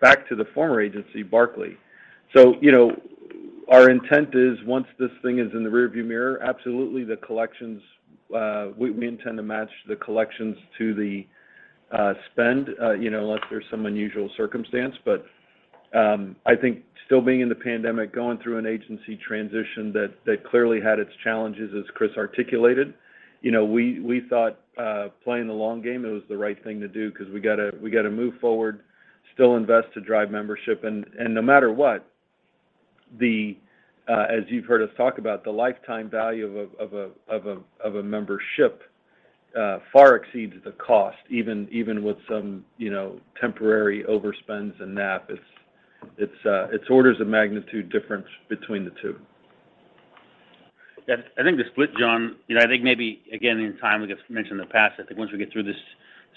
back to the former agency, Barkley. You know, our intent is once this thing is in the rearview mirror, absolutely the collections we intend to match the collections to the spend you know, unless there's some unusual circumstance. I think still being in the pandemic, going through an agency transition that clearly had its challenges as Chris articulated, you know, we thought playing the long game, it was the right thing to do because we gotta move forward, still invest to drive membership. No matter what, as you've heard us talk about the lifetime value of a membership, far exceeds the cost, even with some, you know, temporary overspends in NAF. It's orders of magnitude difference between the two. Yeah. I think the split, John, you know, I think maybe again, in time, like it's mentioned in the past, I think once we get through this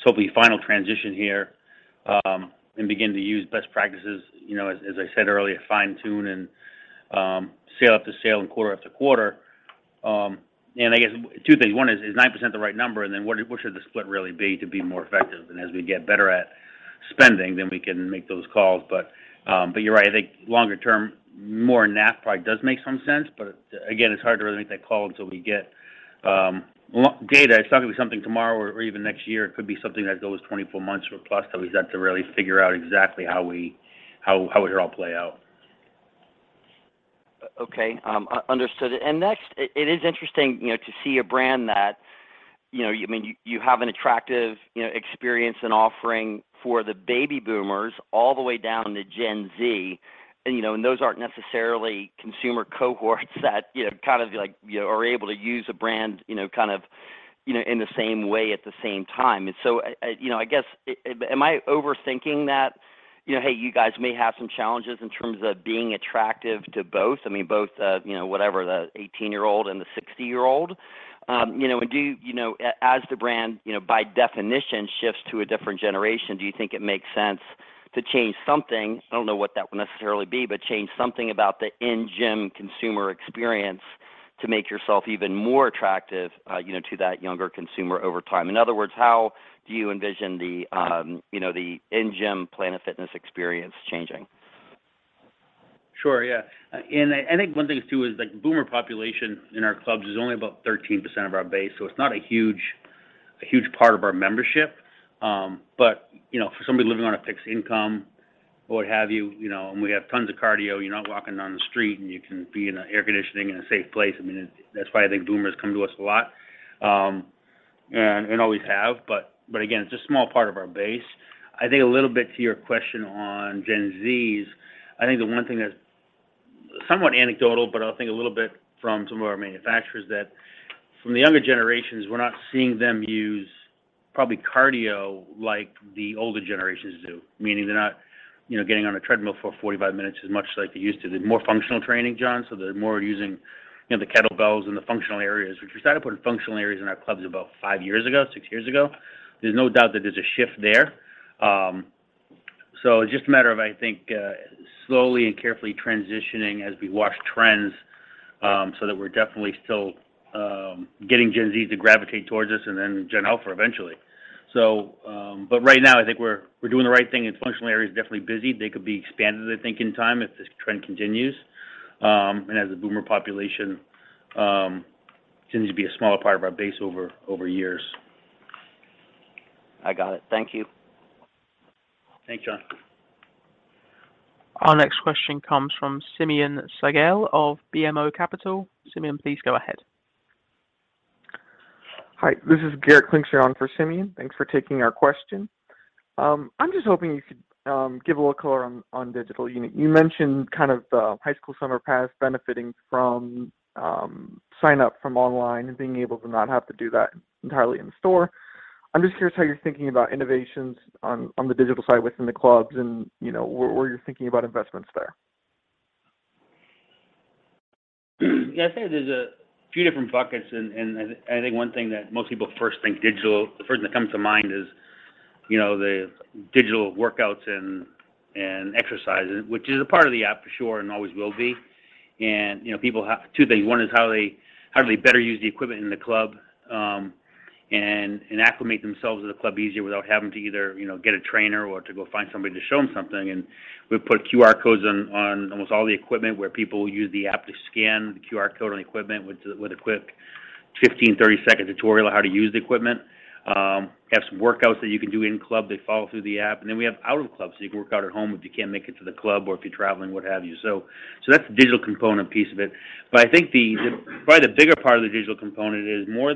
hopefully final transition here, and begin to use best practices, you know, as I said earlier, fine-tune and sale after sale and quarter after quarter. I guess two things. One, is 9% the right number? Then what should the split really be to be more effective? As we get better at spending, then we can make those calls. You're right. I think longer term, more NAF probably does make some sense, but again, it's hard to really make that call until we get data. It's not gonna be something tomorrow or even next year. It could be something that goes 24 months or plus that we've got to really figure out exactly how it'll all play out. Okay. Understood. Next, it is interesting, you know, to see a brand that, you know, I mean, you have an attractive, you know, experience and offering for the baby boomers all the way down to Gen Z. You know, those aren't necessarily consumer cohorts that, you know, kind of like, you know, are able to use a brand, you know, kind of, you know, in the same way at the same time. You know, I guess am I overthinking that, you know, hey, you guys may have some challenges in terms of being attractive to both? I mean, both, you know, whatever the 18-year-old and the 60-year-old. You know, do you know, as the brand, you know, by definition shifts to a different generation, do you think it makes sense to change something? I don't know what that would necessarily be, but change something about the in-gym consumer experience to make yourself even more attractive, you know, to that younger consumer over time. In other words, how do you envision the, you know, the in-gym Planet Fitness experience changing? Sure. Yeah. I think one thing too is like boomer population in our clubs is only about 13% of our base, so it's not a huge part of our membership. You know, for somebody living on a fixed income or what have you know, and we have tons of cardio. You're not walking on the street, and you can be in the air conditioning in a safe place. I mean, that's why I think boomers come to us a lot, and always have. Again, it's a small part of our base. I think a little bit to your question on Gen Z, I think the one thing that's somewhat anecdotal, but I think a little bit from some of our manufacturers, that from the younger generations, we're not seeing them use probably cardio like the older generations do, meaning they're not, you know, getting on a treadmill for 45 minutes as much like they used to. The more functional training, John, so they're more using, you know, the kettlebells and the functional areas, which we started putting functional areas in our clubs about five years ago, six years ago. There's no doubt that there's a shift there. It's just a matter of, I think, slowly and carefully transitioning as we watch trends, so that we're definitely still getting Gen Z to gravitate towards us and then Gen Alpha eventually. Right now I think we're doing the right thing. Its functional area is definitely busy. They could be expanded, I think, in time if this trend continues, and as the boomer population continues to be a smaller part of our base over years. I got it. Thank you. Thanks, John. Our next question comes from Simeon Siegel of BMO Capital Markets. Simeon, please go ahead. Hi, this is Garrett Klingshirn for Simeon. Thanks for taking our question. I'm just hoping you could give a little color on digital unit. You mentioned kind of the High School Summer Pass benefiting from sign up from online and being able to not have to do that entirely in store. I'm just curious how you're thinking about innovations on the digital side within the clubs and, you know, where you're thinking about investments there. Yeah, I'd say there's a few different buckets and I think one thing that most people first think digital, the first thing that comes to mind is, you know, the digital workouts and exercises, which is a part of the app for sure and always will be. Two things. One is how do they better use the equipment in the club and acclimate themselves to the club easier without having to either, you know, get a trainer or to go find somebody to show them something. We've put QR codes on almost all the equipment where people use the app to scan the QR code on equipment with a quick 15, 30-second tutorial on how to use the equipment. Have some workouts that you can do in club. They follow through the app, and then we have out of club, so you can work out at home if you can't make it to the club or if you're traveling, what have you. So that's the digital component piece of it. But I think probably the bigger part of the digital component is more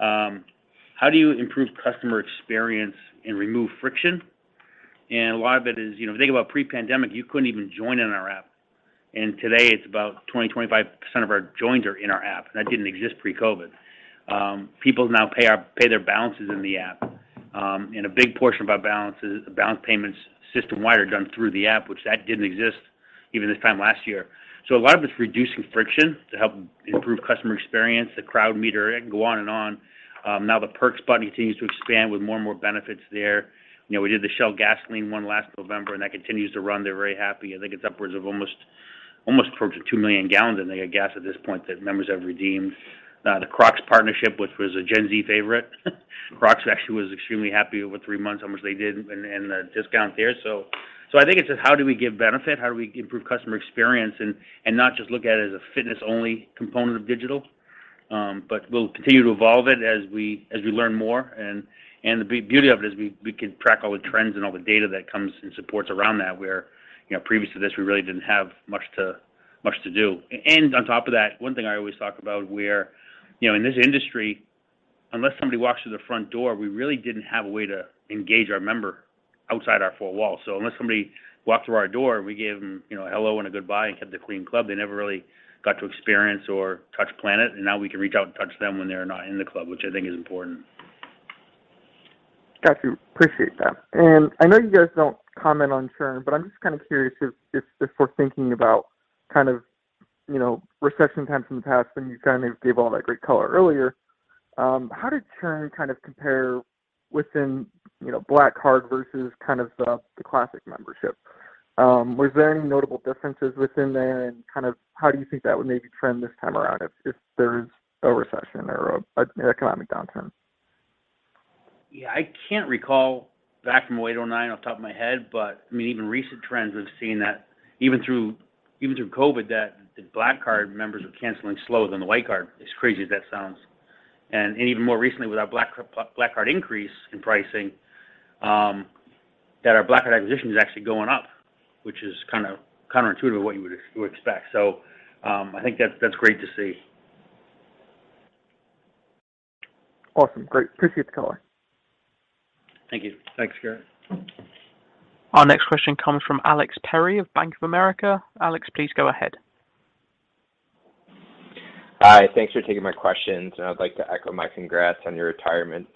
how do you improve customer experience and remove friction? A lot of it is, you know, think about pre-pandemic, you couldn't even join in our app. Today it's about 20%-25% of our joins are in our app, and that didn't exist pre-COVID. People now pay their balances in the app. A big portion of our balance payments system-wide are done through the app, which didn't exist even this time last year. A lot of it's reducing friction to help improve customer experience, the Crowd Meter. It can go on and on. Now the perks button continues to expand with more and more benefits there. You know, we did the Shell gasoline one last November, and that continues to run. They're very happy. I think it's upwards of almost towards the 2 million gallons of, like, gas at this point that members have redeemed. The Crocs partnership, which was a Gen Z favorite. Crocs actually was extremely happy over three months, how much they did and the discount there. So I think it's just how do we give benefit, how do we improve customer experience, and not just look at it as a fitness-only component of digital. We'll continue to evolve it as we learn more. The beauty of it is we can track all the trends and all the data that comes and supports around that, where, you know, previous to this, we really didn't have much to do. On top of that, one thing I always talk about where, you know, in this industry, unless somebody walks through the front door, we really didn't have a way to engage our member outside our four walls. Unless somebody walked through our door, we gave them, you know, a hello and a goodbye and kept the clean club, they never really got to experience or touch Planet, and now we can reach out and touch them when they're not in the club, which I think is important. Got you. Appreciate that. I know you guys don't comment on churn, but I'm just kind of curious if we're thinking about kind of, you know, recession times in the past, and you kind of gave all that great color earlier, how did churn kind of compare within, you know, Black Card versus kind of the Classic membership? Was there any notable differences within there? How do you think that would maybe trend this time around if there is a recession or an economic downturn? Yeah. I can't recall back from 2008, 2009 off the top of my head, but I mean, even recent trends we've seen that even through COVID, that the Black Card members were canceling slower than the White Card, as crazy as that sounds. Even more recently with our Black Card increase in pricing, that our Black Card acquisition is actually going up, which is kind of counterintuitive to what you would expect. I think that's great to see. Awesome. Great. Appreciate the color. Thank you. Thanks, Garrett. Our next question comes from Alex Perry of Bank of America. Alex, please go ahead. Hi. Thanks for taking my questions, and I'd like to echo my congrats on your retirement,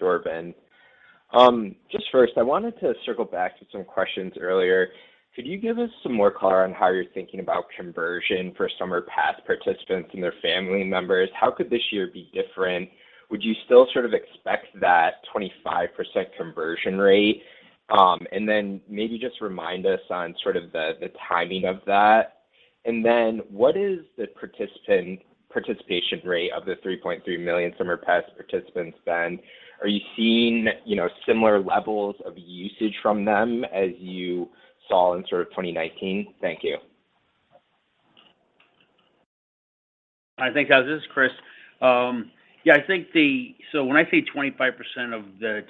Dorvin. Just first, I wanted to circle back to some questions earlier. Could you give us some more color on how you're thinking about conversion for Summer Pass participants and their family members? How could this year be different? Would you still sort of expect that 25% conversion rate? Then maybe just remind us on sort of the timing of that. What is the participant participation rate of the 3.3 million Summer Pass participants then? Are you seeing, you know, similar levels of usage from them as you saw in sort of 2019? Thank you. I think, this is Chris. When I say 25% of the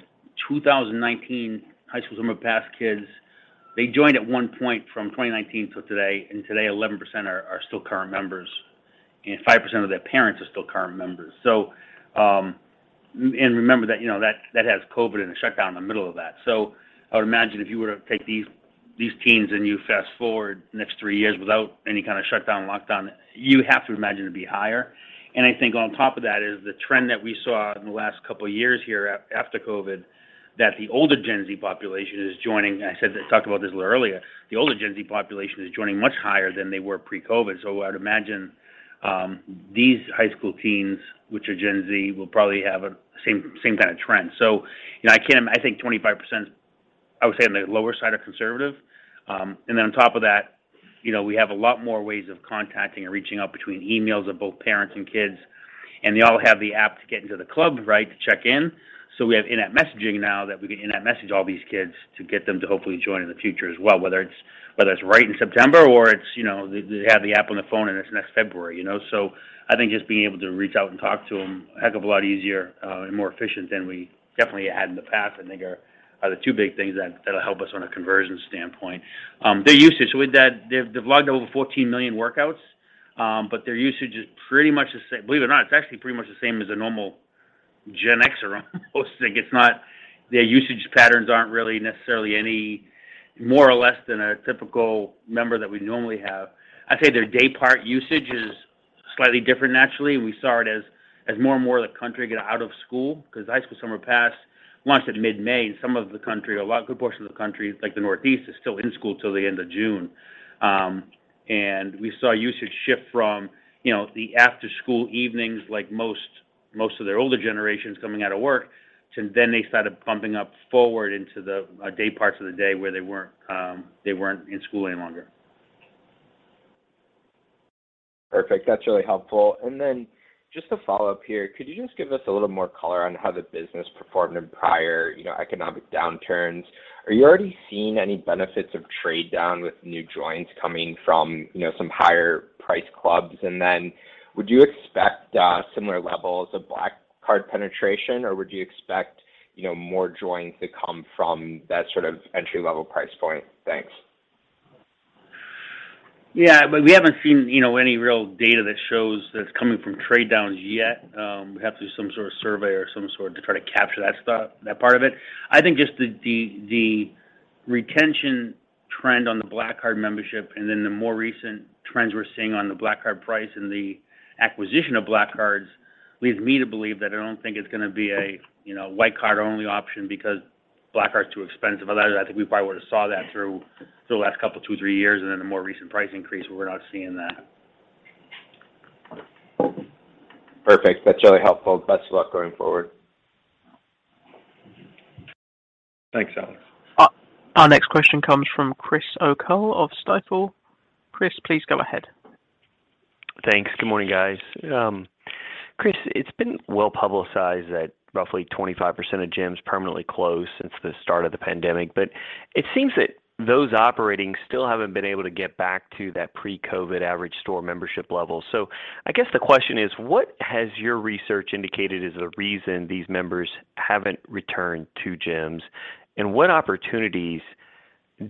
2019 High School Summer Pass kids, they joined at one point from 2019 to today, and today 11% are still current members, and 5% of their parents are still current members. Remember that, you know, that has COVID and a shutdown in the middle of that. I would imagine if you were to take these teens and you fast-forward next three years without any kind of shutdown, lockdown, you have to imagine it'd be higher. I think on top of that is the trend that we saw in the last couple of years here after COVID, that the older Gen Z population is joining. I talked about this a little earlier. The older Gen Z population is joining much higher than they were pre-COVID. I would imagine these high school teens, which are Gen Z, will probably have a same kind of trend. You know, I think 25%, I would say, on the lower side or conservative. Then on top of that, you know, we have a lot more ways of contacting and reaching out between emails of both parents and kids. They all have the app to get into the club, right, to check in. We have in-app messaging now that we can in-app message all these kids to get them to hopefully join in the future as well, whether it's right in September or it's, you know, they have the app on the phone and it's next February, you know? I think just being able to reach out and talk to them a heck of a lot easier and more efficient than we definitely had in the past. I think are the two big things that'll help us on a conversion standpoint. Their usage. With that, they've logged over 14 million workouts, but their usage is pretty much the same. Believe it or not, it's actually pretty much the same as a normal Gen Xers or something. Their usage patterns aren't really necessarily any more or less than a typical member that we normally have. I'd say their day part usage is slightly different naturally. We saw it as more and more of the country get out of school, 'cause High School Summer Pass launched in mid-May, and some of the country, a good portion of the country, like the Northeast, is still in school till the end of June. We saw usage shift from, you know, the after-school evenings, like most of their older generations coming out of work, to then they started bumping up forward into the day parts of the day where they weren't in school any longer. Perfect. That's really helpful. Just to follow up here, could you just give us a little more color on how the business performed in prior, you know, economic downturns? Are you already seeing any benefits of trade down with new joins coming from, you know, some higher price clubs? Would you expect similar levels of Black Card penetration, or would you expect, you know, more joins to come from that sort of entry-level price point? Thanks. Yeah, we haven't seen, you know, any real data that shows that it's coming from trade downs yet. We have to do some sort of survey or some sort to try to capture that stuff, that part of it. I think just the retention trend on the Black Card membership and then the more recent trends we're seeing on the Black Card price and the acquisition of Black Cards leads me to believe that I don't think it's gonna be a, you know, White Card only option because Black Card's too expensive. Otherwise, I think we probably would have saw that through the last couple, two, three years and then the more recent price increase, but we're not seeing that. Perfect. That's really helpful. Best of luck going forward. Thanks, Alex. Our next question comes from Chris O'Cull of Stifel. Chris, please go ahead. Thanks. Good morning, guys. Chris, it's been well publicized that roughly 25% of gyms permanently closed since the start of the pandemic, but it seems that those operating still haven't been able to get back to that pre-COVID average store membership level. I guess the question is, what has your research indicated is the reason these members haven't returned to gyms, and what opportunities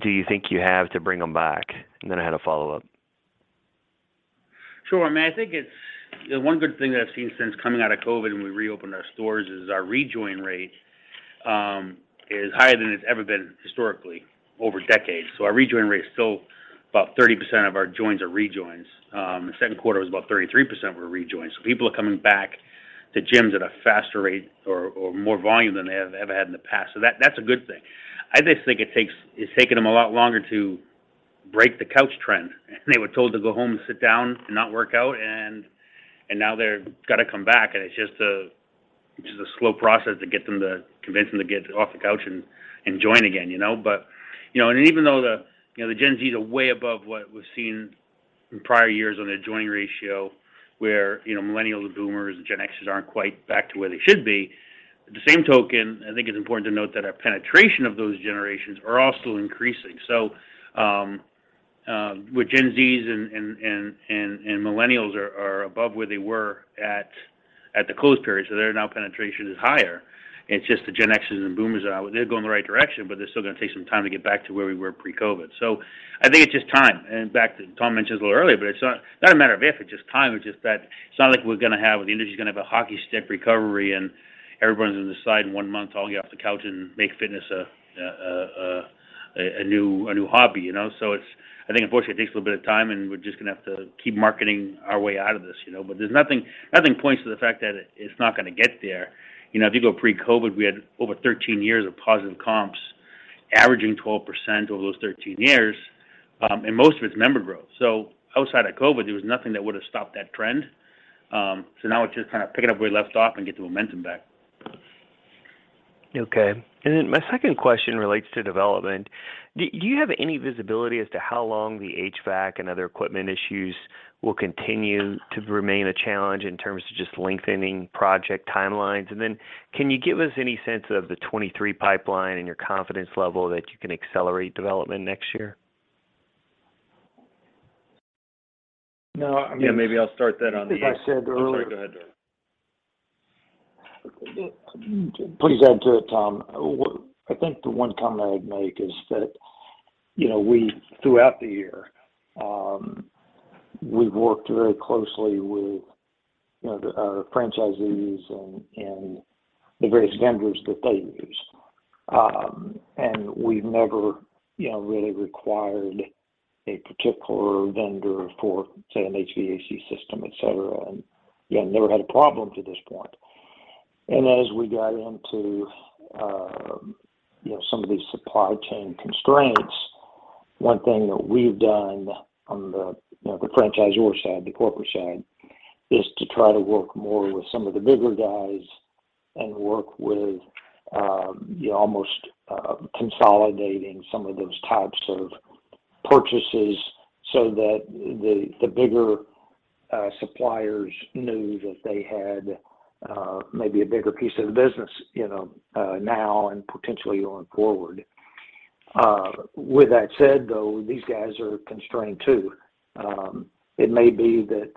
do you think you have to bring them back? Then I had a follow-up. Sure. I mean, I think it's the one good thing that I've seen since coming out of COVID when we reopened our stores is our rejoin rate is higher than it's ever been historically over decades. Our rejoin rate is still about 30% of our joins are rejoins. The second quarter was about 33% were rejoins. People are coming back to gyms at a faster rate or more volume than they have ever had in the past. That's a good thing. I just think it's taking them a lot longer to break the couch trend. They were told to go home and sit down and not work out and now they've got to come back and it's just a slow process to get them to convince them to get off the couch and join again, you know. You know, even though the Gen Z are way above what was seen in prior years on a join ratio where you know, Millennials and Boomers and Gen Xers aren't quite back to where they should be, at the same time, I think it's important to note that our penetration of those generations are also increasing. With Gen Z and millennials are above where they were at the closed period, so their now penetration is higher. It's just the Gen Xers and Boomers are out. They're going the right direction, but they're still gonna take some time to get back to where we were pre-COVID. I think it's just time. Back to Tom mentioned this a little earlier, but it's not a matter of if, it's just time. It's just that it's not like the industry's gonna have a hockey stick recovery and everyone's on the sidelines in one month, all get off the couch and make fitness a new hobby, you know? It's, I think, unfortunately it takes a little bit of time and we're just gonna have to keep marketing our way out of this, you know? There's nothing points to the fact that it's not gonna get there. You know, if you go pre-COVID, we had over 13 years of positive comps averaging 12% over those 13 years, and most of it's member growth. Outside of COVID, there was nothing that would've stopped that trend. Now it's just kind of picking up where we left off and get the momentum back. Okay. My second question relates to development. Do you have any visibility as to how long the HVAC and other equipment issues will continue to remain a challenge in terms of just lengthening project timelines? Can you give us any sense of the 2023 pipeline and your confidence level that you can accelerate development next year? No, I mean. Yeah, maybe I'll start that on the. I think I said earlier. I'm sorry. Go ahead, Dorvin Lively. Please add to it, Tom. I think the one comment I'd make is that, you know, we, throughout the year, we've worked very closely with, you know, our franchisees and the various vendors that they use. And we've never, you know, really required a particular vendor for, say, an HVAC system, et cetera, and, you know, never had a problem to this point. As we got into, you know, some of these supply chain constraints, one thing that we've done on the, you know, the franchisor side, the corporate side, is to try to work more with some of the bigger guys and work with, you know, almost consolidating some of those types of purchases so that the bigger suppliers knew that they had maybe a bigger piece of the business, you know, now and potentially going forward. With that said, though, these guys are constrained too. It may be that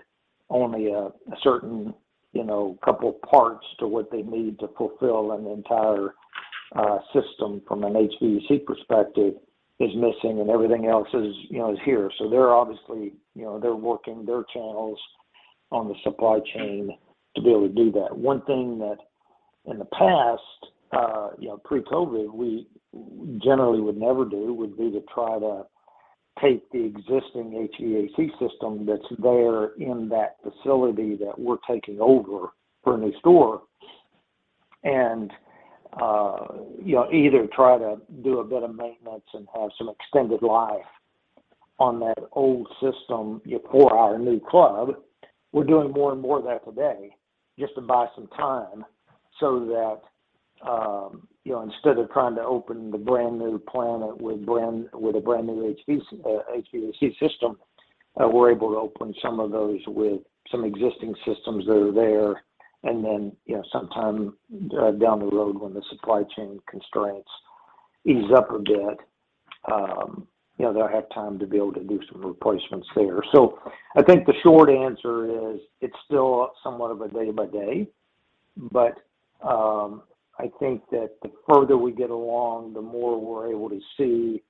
only a certain, you know, couple parts to what they need to fulfill an entire system from an HVAC perspective is missing, and everything else is, you know, is here. They're obviously, you know, they're working their channels on the supply chain to be able to do that. One thing that in the past, you know, pre-COVID, we generally would never do, would be to try to take the existing HVAC system that's there in that facility that we're taking over for a new store and, you know, either try to do a bit of maintenance and have some extended life on that old system for our new club. We're doing more and more of that today just to buy some time so that, you know, instead of trying to open the brand-new Planet with a brand-new HVAC system, we're able to open some of those with some existing systems that are there. Then, you know, some time down the road when the supply chain constraints ease up a bit, you know, they'll have time to be able to do some replacements there. I think the short answer is it's still somewhat of a day by day, but I think that the further we get along, the more we're able to see,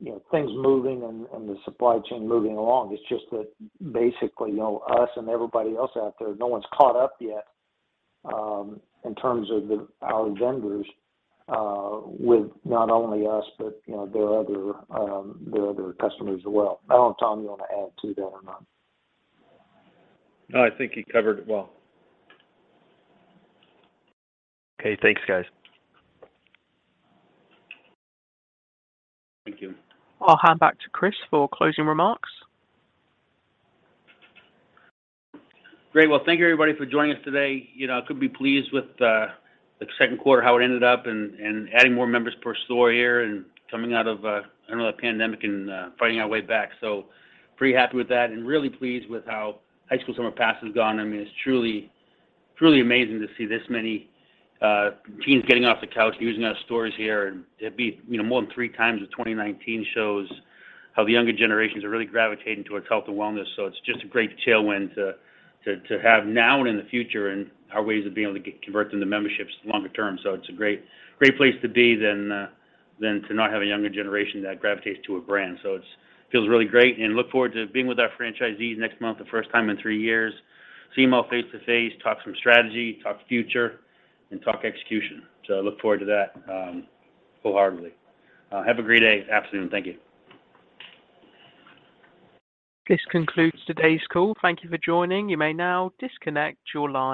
you know, things moving and the supply chain moving along. It's just that basically, you know, us and everybody else out there, no one's caught up yet in terms of our vendors with not only us, but, you know, their other customers as well. I don't know, Tom, you wanna add to that or not? No, I think you covered it well. Okay. Thanks, guys. Thank you. I'll hand back to Chris for closing remarks. Great. Well, thank you everybody for joining us today. You know, I couldn't be pleased with the second quarter, how it ended up and adding more members per store here and coming out of, I don't know, the pandemic and fighting our way back. Pretty happy with that, and really pleased with how High School Summer Pass has gone. I mean, it's truly amazing to see this many teens getting off the couch, using our stores here. To be, you know, more than three times the 2019 shows how the younger generations are really gravitating towards health and wellness. It's just a great tailwind to have now and in the future and our ways of being able to convert them to memberships longer term. It's a great place to be than to not have a younger generation that gravitates to a brand. It feels really great, and look forward to being with our franchisees next month the first time in three years, see them all face to face, talk some strategy, talk future, and talk execution. Look forward to that wholeheartedly. Have a great day, afternoon. Thank you. This concludes today's call. Thank you for joining. You may now disconnect your line.